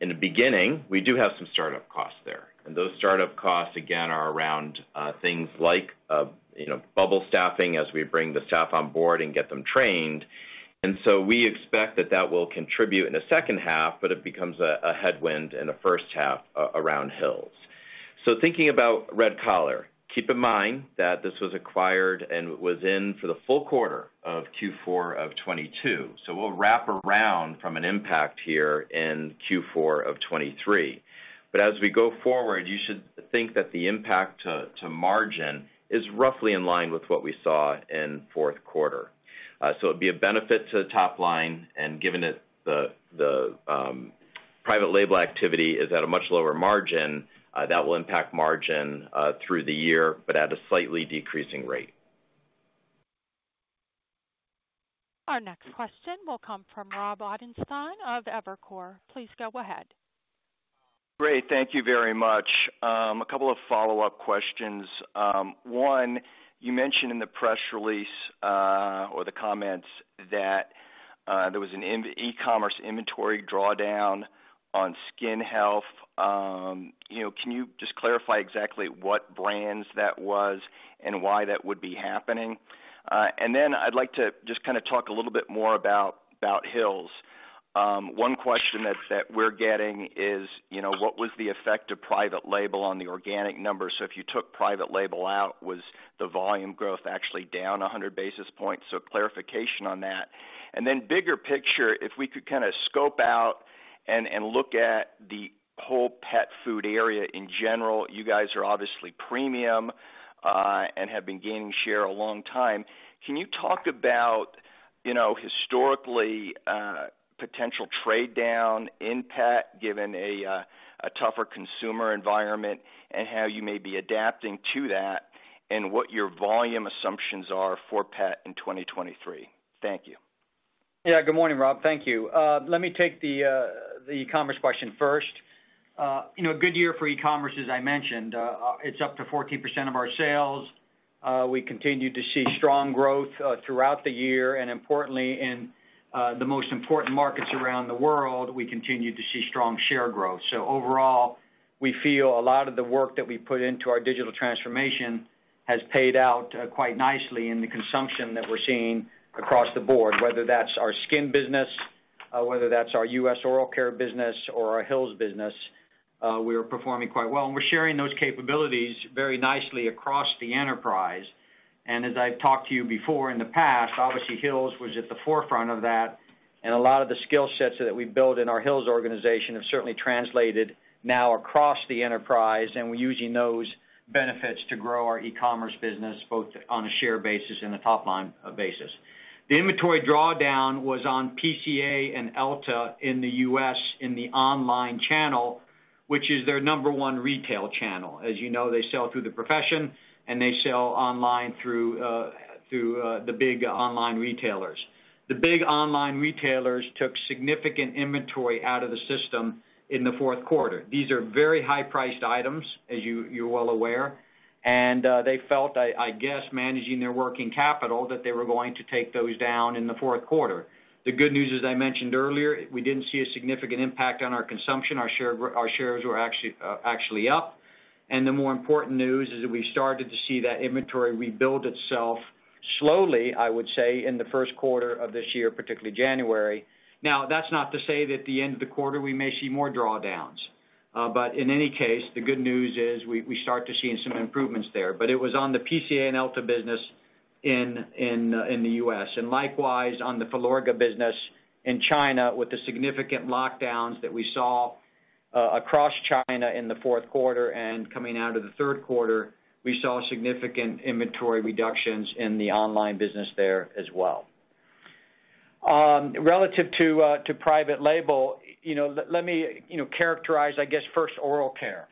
In the beginning, we do have some startup costs there. Those startup costs, again, are around things like, you know, bubble staffing as we bring the staff on board and get them trained. We expect that that will contribute in the second half, but it becomes a headwind in the first half around Hill's. Thinking about Red Collar, keep in mind that this was acquired and was in for the full quarter of Q4 of 2022. We'll wrap around from an impact here in Q4 of 2023. As we go forward, you should think that the impact to margin is roughly in line with what we saw in fourth quarter. It'd be a benefit to top line, and given it the private label activity is at a much lower margin, that will impact margin through the year, but at a slightly decreasing rate. Our next question will come from Robert Ottenstein of Evercore. Please go ahead. Great. Thank you very much. A couple of follow-up questions. One, you mentioned in the press release or the comments that there was an e-commerce inventory drawdown on skin health. You know, can you just clarify exactly what brands that was and why that would be happening? Then I'd like to just kinda talk a little more about Hill's. One question that we're getting is, you know, what was the effect of private label on the organic numbers? If you took private label out, was the volume growth actually down 100 basis points? Clarification on that. Then bigger picture, if we could kinda scope out and look at the whole pet food area in general. You guys are obviously premium and have been gaining share a long time. Can you talk about, you know, historically, potential trade down in pet, given a tougher consumer environment, and how you may be adapting to that, and what your volume assumptions are for pet in 2023? Thank you. Yeah. Good morning, Rob. Thank you. Let me take the e-commerce question first. You know, a good year for e-commerce, as I mentioned. It's up to 14% of our sales. We continue to see strong growth throughout the year, and importantly, in the most important markets around the world, we continue to see strong share growth. Overall, we feel a lot of the work that we put into our digital transformation has paid out quite nicely in the consumption that we're seeing across the board, whether that's our skin business, whether that's our U.S. oral care business or our Hill's business, we are performing quite well. We're sharing those capabilities very nicely across the enterprise. As I've talked to you before in the past, obviously, Hill's was at the forefront of that, and a lot of the skill sets that we built in our Hill's organization have certainly translated now across the enterprise, and we're using those benefits to grow our e-commerce business, both on a share basis and a top-line basis. The inventory drawdown was on PCA and Elta in the U.S. in the online channel. Which is their number one retail channel. As you know, they sell through the profession and they sell online through the big online retailers. The big online retailers took significant inventory out of the system in the fourth quarter. These are very high-priced items as you're well aware, and they felt, I guess, managing their working capital that they were going to take those down in the fourth quarter. The good news, as I mentioned earlier, we didn't see a significant impact on our consumption. Our shares were actually up. The more important news is that we started to see that inventory rebuild itself slowly, I would say, in the first quarter of this year, particularly January. That's not to say that the end of the quarter we may see more drawdowns. In any case, the good news is we start to see some improvements there. It was on the PCA and Elta business in the U.S. Likewise, on the Filorga business in China, with the significant lockdowns that we saw across China in the fourth quarter and coming out of the third quarter, we saw significant inventory reductions in the online business there as well. Relative to private label, you know, let me, you know, characterize, I guess first oral care.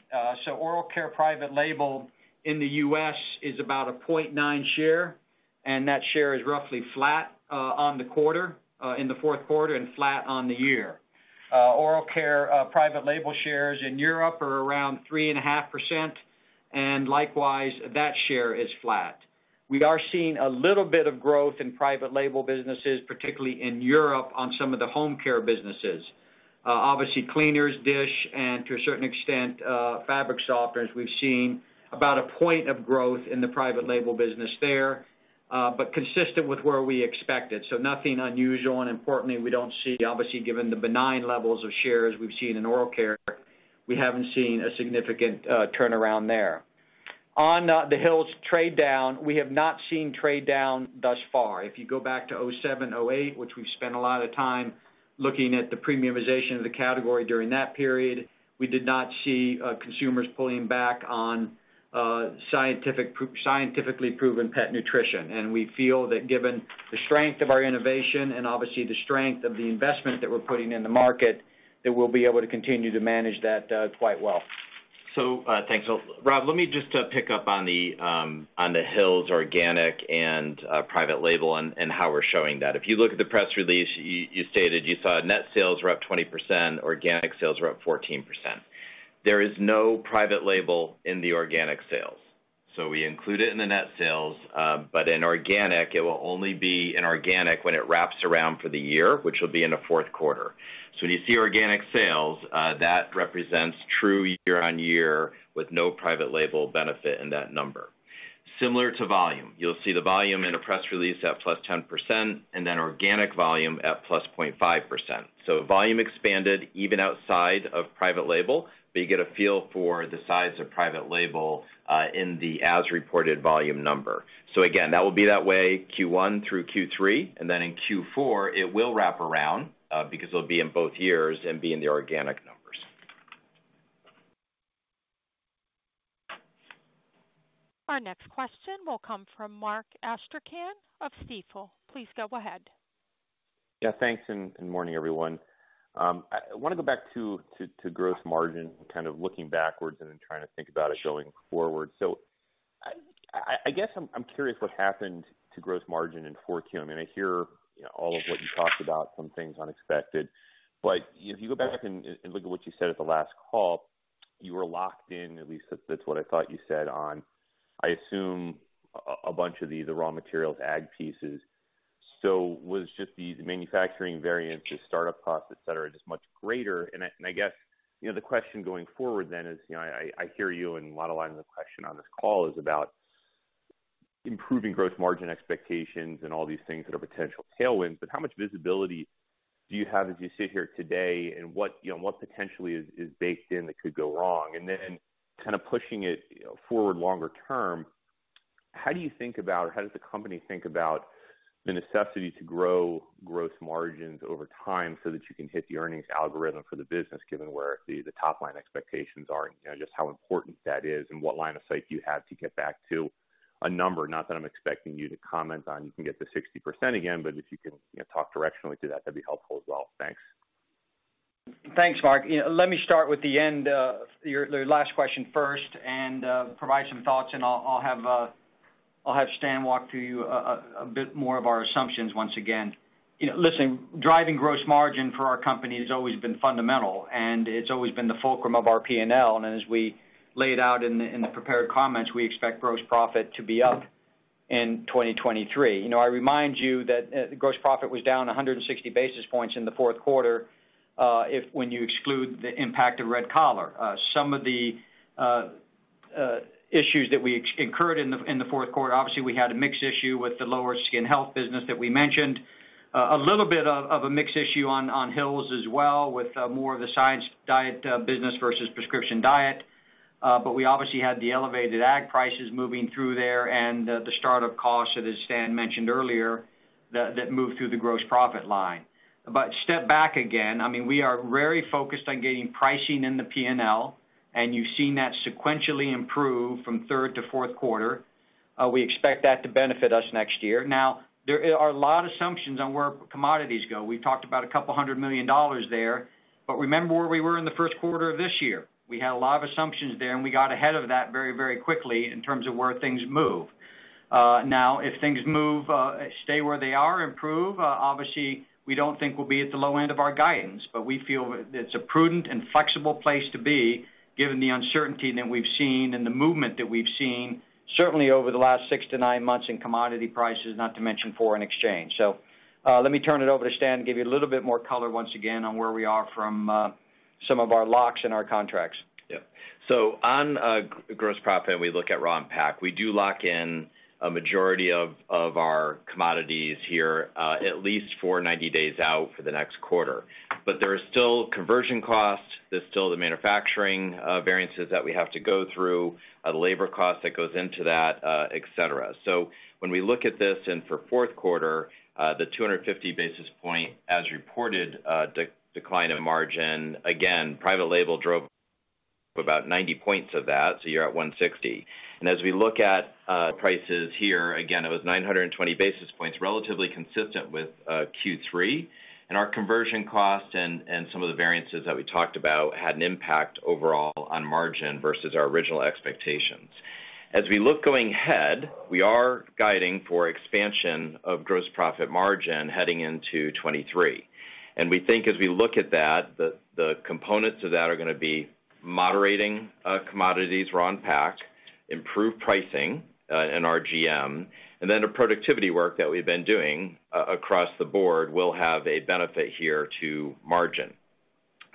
Oral care private label in the U.S. is about a 0.9 share, and that share is roughly flat on the quarter in the fourth quarter and flat on the year. Oral care private label shares in Europe are around 3.5%. Likewise, that share is flat. We are seeing a little bit of growth in private label businesses, particularly in Europe on some of the home care businesses. Obviously cleaners, dish and to a certain extent, fabric softeners. We've seen about 1 point of growth in the private label business there, consistent with where we expected, so nothing unusual. Importantly, we don't see obviously, given the benign levels of shares we've seen in oral care, we haven't seen a significant turnaround there. On, the Hill's trade down, we have not seen trade down thus far. If you go back to 2007, 2008, which we've spent a lot of time looking at the premiumization of the category during that period, we did not see consumers pulling back on scientifically proven pet nutrition. We feel that given the strength of our innovation and obviously the strength of the investment that we're putting in the market, that we'll be able to continue to manage that quite well. Thanks. Rob, let me just pick up on the Hill's organic and private label and how we're showing that. If you look at the press release, you stated you saw net sales were up 20%, organic sales were up 14%. There is no private label in the organic sales. We include it in the net sales, but in organic, it will only be in organic when it wraps around for the year, which will be in the fourth quarter. When you see organic sales, that represents true year-on-year with no private label benefit in that number. Similar to volume, you'll see the volume in a press release at +10% and then organic volume at +0.5%. Volume expanded even outside of private label, but you get a feel for the size of private label, in the as-reported volume number. Again, that will be that way Q1 through Q3, and then in Q4, it will wrap around, because it'll be in both years and be in the organic numbers. Our next question will come from Mark Astrachan of Stifel. Please go ahead. Thanks and morning, everyone. I wanna go back to gross margin, kind of looking backwards and then trying to think about it going forward. I guess I'm curious what happened to gross margin in 4Q. I mean, I hear, you know, all of what you talked about, some things unexpected. If you go back and look at what you said at the last call, you were locked in, at least that's what I thought you said on, I assume a bunch of the raw materials ag pieces. Was it just the manufacturing variance, the start-up costs, etc., just much greater? I guess, you know, the question going forward then is, you know, I hear you and a lot of lines of question on this call is about improving gross margin expectations and all these things that are potential tailwinds. How much visibility do you have as you sit here today and what, you know, and what potentially is baked in that could go wrong? Then kind of pushing it, you know, forward longer term, how do you think about or how does the company think about the necessity to grow gross margins over time so that you can hit the earnings algorithm for the business, given where the top line expectations are and, you know, just how important that is and what line of sight you have to get back to a number? Not that I'm expecting you to comment on, you can get to 60% again, but if you can, you know, talk directionally to that'd be helpful as well. Thanks. Thanks, Mark. You know, let me start with the end of your last question first and provide some thoughts, and I'll have Stan walk through you a bit more of our assumptions once again. You know, listen, driving gross margin for our company has always been fundamental, and it's always been the fulcrum of our P&L. As we laid out in the prepared comments, we expect gross profit to be up in 2023. You know, I remind you that gross profit was down 160 basis points in the fourth quarter, when you exclude the impact of Red Collar. Some of the issues that we incurred in the fourth quarter, obviously, we had a mix issue with the lower skin health business that we mentioned. A little bit of a mix issue on Hill's as well with more of the Science Diet business versus Prescription Diet. We obviously had the elevated ag prices moving through there and the start of costs that as Stan mentioned earlier, that moved through the gross profit line. Step back again, I mean, we are very focused on getting pricing in the P&L, and you've seen that sequentially improve from third to fourth quarter. We expect that to benefit us next year. There are a lot of assumptions on where commodities go. We talked about $200 million there, but remember where we were in the first quarter of this year. We had a lot of assumptions there, and we got ahead of that very, very quickly in terms of where things move. Now, if things move, stay where they are, improve, obviously, we don't think we'll be at the low end of our guidance, but we feel it's a prudent and flexible place to be given the uncertainty that we've seen and the movement that we've seen certainly over the last six-nine months in commodity prices, not to mention foreign exchange. Let me turn it over to Stan to give you a little bit more color once again on where we are from some of our locks in our contracts. On gross profit, we look at raw pack. We do lock in a majority of our commodities here, at least for 90 days out for the next quarter. There is still conversion costs, there's still the manufacturing variances that we have to go through, the labor cost that goes into that, etc.. When we look at this and for fouth quarter, the 250 basis point as reported declined in margin, again, private label drove about 90 points of that, so you're at 160. As we look at prices here, again, it was 920 basis points, relatively consistent with Q3. Our conversion cost and some of the variances that we talked about had an impact overall on margin versus our original expectations. As we look going ahead, we are guiding for expansion of gross profit margin heading into 2023. We think as we look at that, the components of that are gonna be moderating commodities, raw pack, improved pricing in RGM, and then the productivity work that we've been doing across the board will have a benefit here to margin.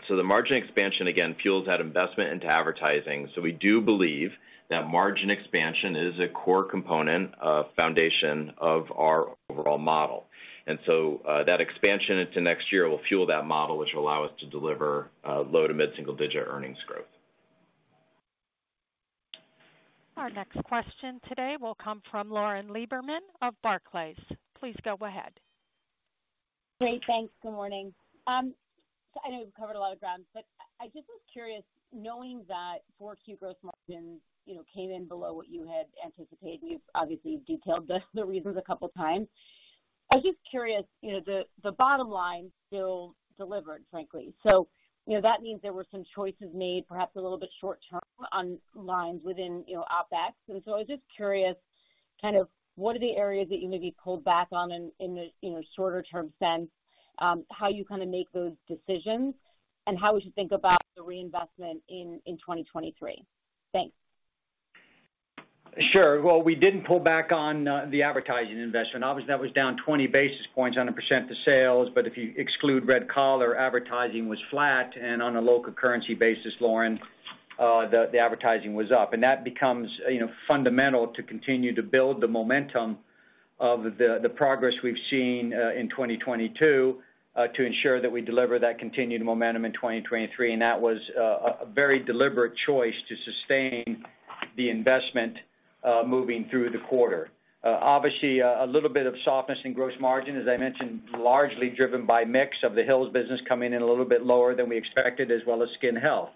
The margin expansion, again, fuels that investment into advertising. We do believe that margin expansion is a core component, foundation of our overall model. That expansion into next year will fuel that model, which will allow us to deliver low to mid-single digit earnings growth. Our next question today will come from Lauren Lieberman of Barclays. Please go ahead. Great. Thanks. Good morning. I know we've covered a lot of ground, but I just was curious, knowing that 4Q gross margins, you know, came in below what you had anticipated, and you've obviously detailed the reasons a couple of times. I was just curious, you know, the bottom line still delivered, frankly. You know, that means there were some choices made, perhaps a little bit short-term on lines within, you know, OpEx. I was just curious, kind of what are the areas that you maybe pulled back on in the, you know, shorter-term sense, how you kinda make those decisions and how we should think about the reinvestment in 2023? Thanks. Sure. Well, we didn't pull back on the advertising investment. Obviously, that was down 20 basis points on a percent to sales. If you exclude Red Collar, advertising was flat, and on a local currency basis, Lauren, the advertising was up. That becomes, you know, fundamental to continue to build the momentum of the progress we've seen in 2022 to ensure that we deliver that continued momentum in 2023. That was a very deliberate choice to sustain the investment moving through the quarter. Obviously, a little bit of softness in gross margin, as I mentioned, largely driven by mix of the Hill's business coming in a little bit lower than we expected, as well as skin health.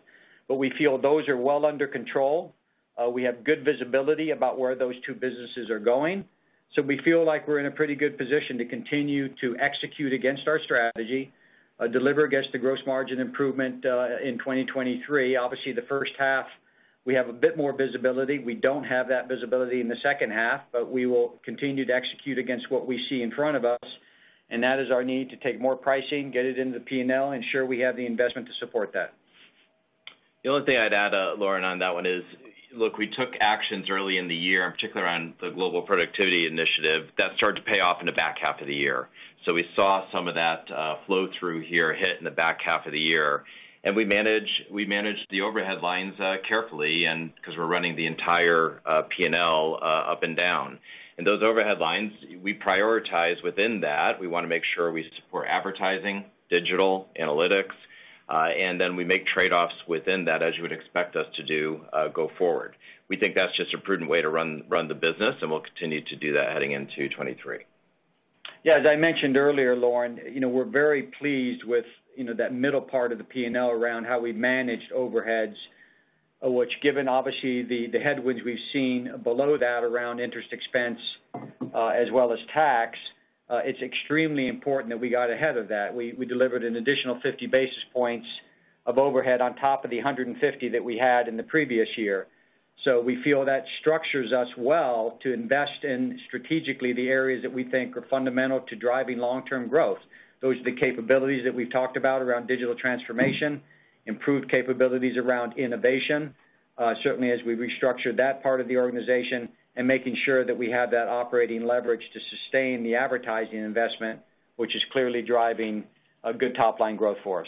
We feel those are well under control. We have good visibility about where those two businesses are going. We feel like we're in a pretty good position to continue to execute against our strategy, deliver against the gross margin improvement in 2023. Obviously, the first half, we have a bit more visibility. We don't have that visibility in the second half. We will continue to execute against what we see in front of us, and that is our need to take more pricing, get it into the P&L, ensure we have the investment to support that. The only thing I'd add, Lauren, on that one is, look, we took actions early in the year, in particular on the Global Productivity Initiative that started to pay off in the back half of the year. We saw some of that flow through here hit in the back half of the year. We managed the overhead lines carefully because we're running the entire P&L up and down. Those overhead lines, we prioritize within that. We wanna make sure we support advertising, digital, analytics, and then we make trade-offs within that, as you would expect us to do, go forward. We think that's just a prudent way to run the business, and we'll continue to do that heading into 2023. As I mentioned earlier, Lauren, you know, we're very pleased with, you know, that middle part of the P&L around how we managed overheads, which given obviously the headwinds we've seen below that around interest expense, as well as tax, it's extremely important that we got ahead of that. We delivered an additional 50 basis points of overhead on top of the 150 that we had in the previous year. We feel that structures us well to invest in strategically the areas that we think are fundamental to driving long-term growth. Those are the capabilities that we've talked about around digital transformation, improved capabilities around innovation, certainly as we restructure that part of the organization and making sure that we have that operating leverage to sustain the advertising investment, which is clearly driving a good top-line growth for us.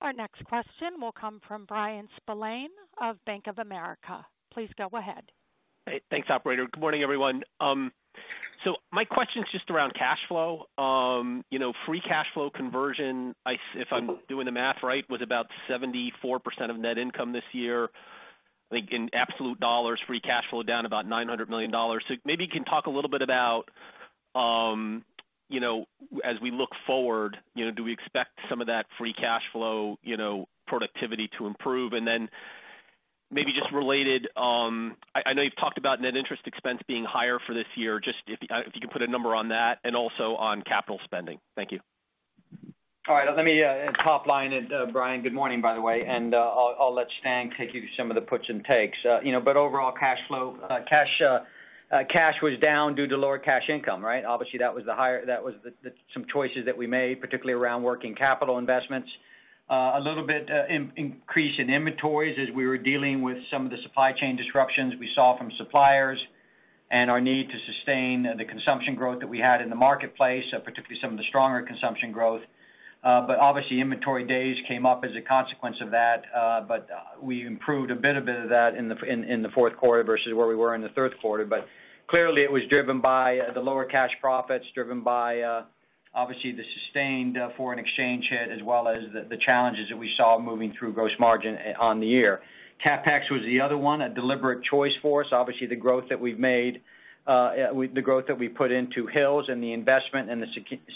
Our next question will come from Bryan Spillane of Bank of America. Please go ahead. Hey. Thanks, operator. Good morning, everyone. My question is just around cash flow. You know, free cash flow conversion, if I'm doing the math right, was about 74% of net income this year. Like in absolute dollars, free cash flow down about $900 million. Maybe you can talk a little bit about, you know, as we look forward, you know, do we expect some of that free cash flow, you know, productivity to improve? Then maybe just related, I know you've talked about net interest expense being higher for this year, just if you could put a number on that and also on capital spending. Thank you. All right. Let me top line it, Bryan. Good morning, by the way. I'll let Stan take you through some of the puts and takes. You know, overall cash was down due to lower cash income, right? Obviously, that was the some choices that we made, particularly around working capital investments. A little bit increase in inventories as we were dealing with some of the supply chain disruptions we saw from suppliers and our need to sustain the consumption growth that we had in the marketplace, particularly some of the stronger consumption growth. Obviously, inventory days came up as a consequence of that. We improved a bit of that in the fourth quarter versus where we were in the third quarter. Clearly it was driven by the lower cash profits, driven by, obviously the sustained, foreign exchange hit, as well as the challenges that we saw moving through gross margin on the year. CapEx was the other one, a deliberate choice for us. Obviously, the growth that we've made, with the growth that we put into Hill's and the investment and the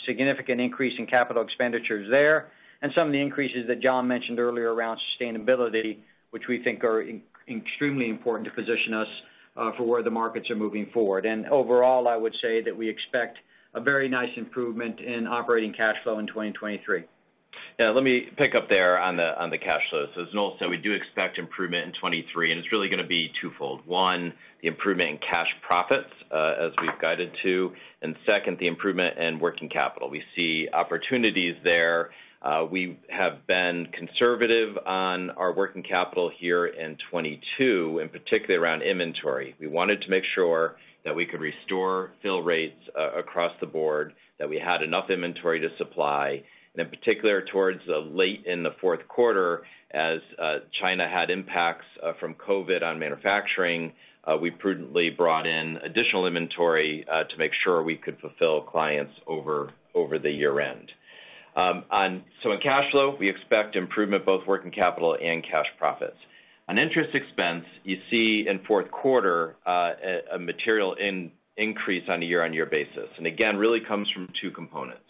significant increase in capital expenditures there, and some of the increases that John mentioned earlier around sustainability, which we think are extremely important to position us, for where the markets are moving forward. Overall, I would say that we expect a very nice improvement in operating cash flow in 2023. Yeah, let me pick up there on the, on the cash flow. As Noel said, we do expect improvement in 2023, and it's really gonna be twofold. One, the improvement in cash profits, as we've guided to, and second, the improvement in working capital. We see opportunities there. We have been conservative on our working capital here in 2022, and particularly around inventory. We wanted to make sure that we could restore fill rates across the board, that we had enough inventory to supply. In particular, towards the late in the fourth quarter, as China had impacts from COVID on manufacturing, we prudently brought in additional inventory to make sure we could fulfill clients over the year-end. In cash flow, we expect improvement, both working capital and cash profits. On interest expense, you see in fourth quarter, a material increase on a year-on-year basis, really comes from two components.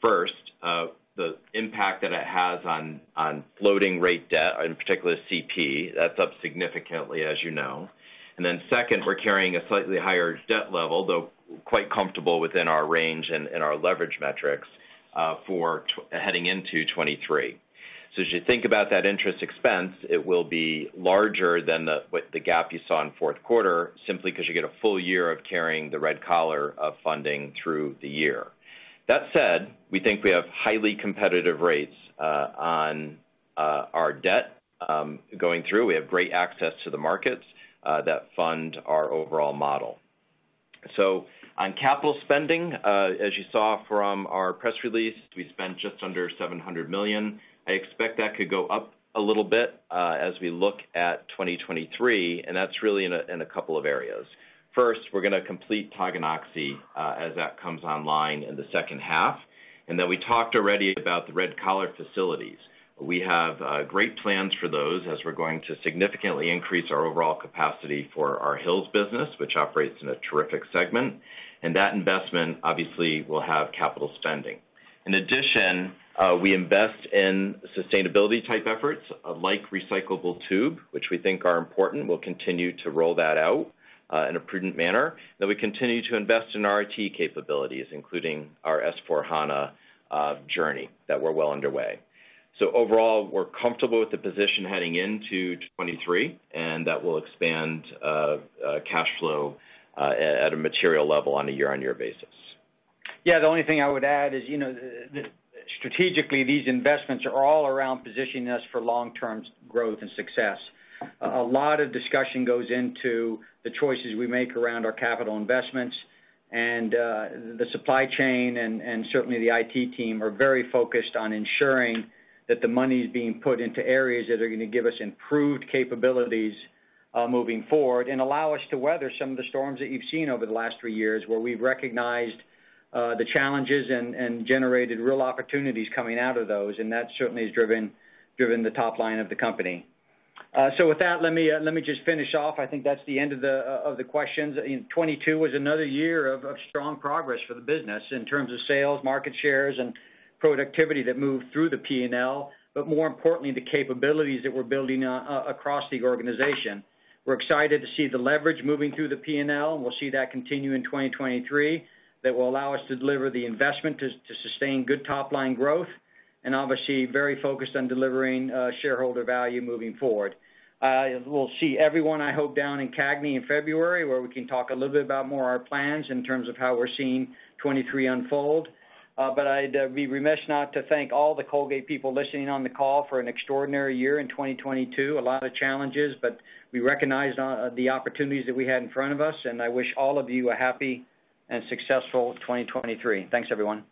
First, the impact that it has on floating rate debt, in particular CP. That's up significantly, as you know. Second, we're carrying a slightly higher debt level, though quite comfortable within our range and our leverage metrics, heading into 2023. As you think about that interest expense, it will be larger than with the gap you saw in fourth quarter, simply 'cause you get a full year of carrying the Red Collar of funding through the year. That said, we think we have highly competitive rates on our debt going through. We have great access to the markets that fund our overall model. On capital spending, as you saw from our press release, we spent just under $700 million. I expect that could go up a little bit as we look at 2023, and that's really in a couple of areas. First, we're going to complete Tonganoxie as that comes online in the second half. We talked already about the Red Collar facilities. We have great plans for those as we're going to significantly increase our overall capacity for our Hill's business, which operates in a terrific segment. That investment obviously will have capital spending. In addition, we invest in sustainability type efforts, like recyclable tube, which we think are important. We'll continue to roll that out in a prudent manner. We continue to invest in our IT capabilities, including our S/4HANA journey that we're well underway. Overall, we're comfortable with the position heading into 23, and that will expand cash flow at a material level on a year-on-year basis. Yeah, the only thing I would add is, you know, that strategically, these investments are all around positioning us for long-term growth and success. A lot of discussion goes into the choices we make around our capital investments and the supply chain and certainly the IT team are very focused on ensuring that the money is being put into areas that are gonna give us improved capabilities, moving forward and allow us to weather some of the storms that you've seen over the last three years, where we've recognized the challenges and generated real opportunities coming out of those. With that, let me just finish off. I think that's the end of the questions. 2022 was another year of strong progress for the business in terms of sales, market shares, and productivity that moved through the P&L, but more importantly, the capabilities that we're building across the organization. We're excited to see the leverage moving through the P&L, and we'll see that continue in 2023. That will allow us to deliver the investment to sustain good top line growth, and obviously very focused on delivering shareholder value moving forward. We'll see everyone, I hope, down in CAGNY in February, where we can talk a little bit about more our plans in terms of how we're seeing 2023 unfold. But I'd be remiss not to thank all the Colgate people listening on the call for an extraordinary year in 2022. A lot of challenges, but we recognized the opportunities that we had in front of us, and I wish all of you a happy and successful 2023. Thanks, everyone.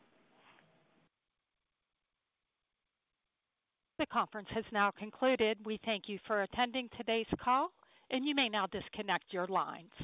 The conference has now concluded. We thank you for attending today's call, and you may now disconnect your lines.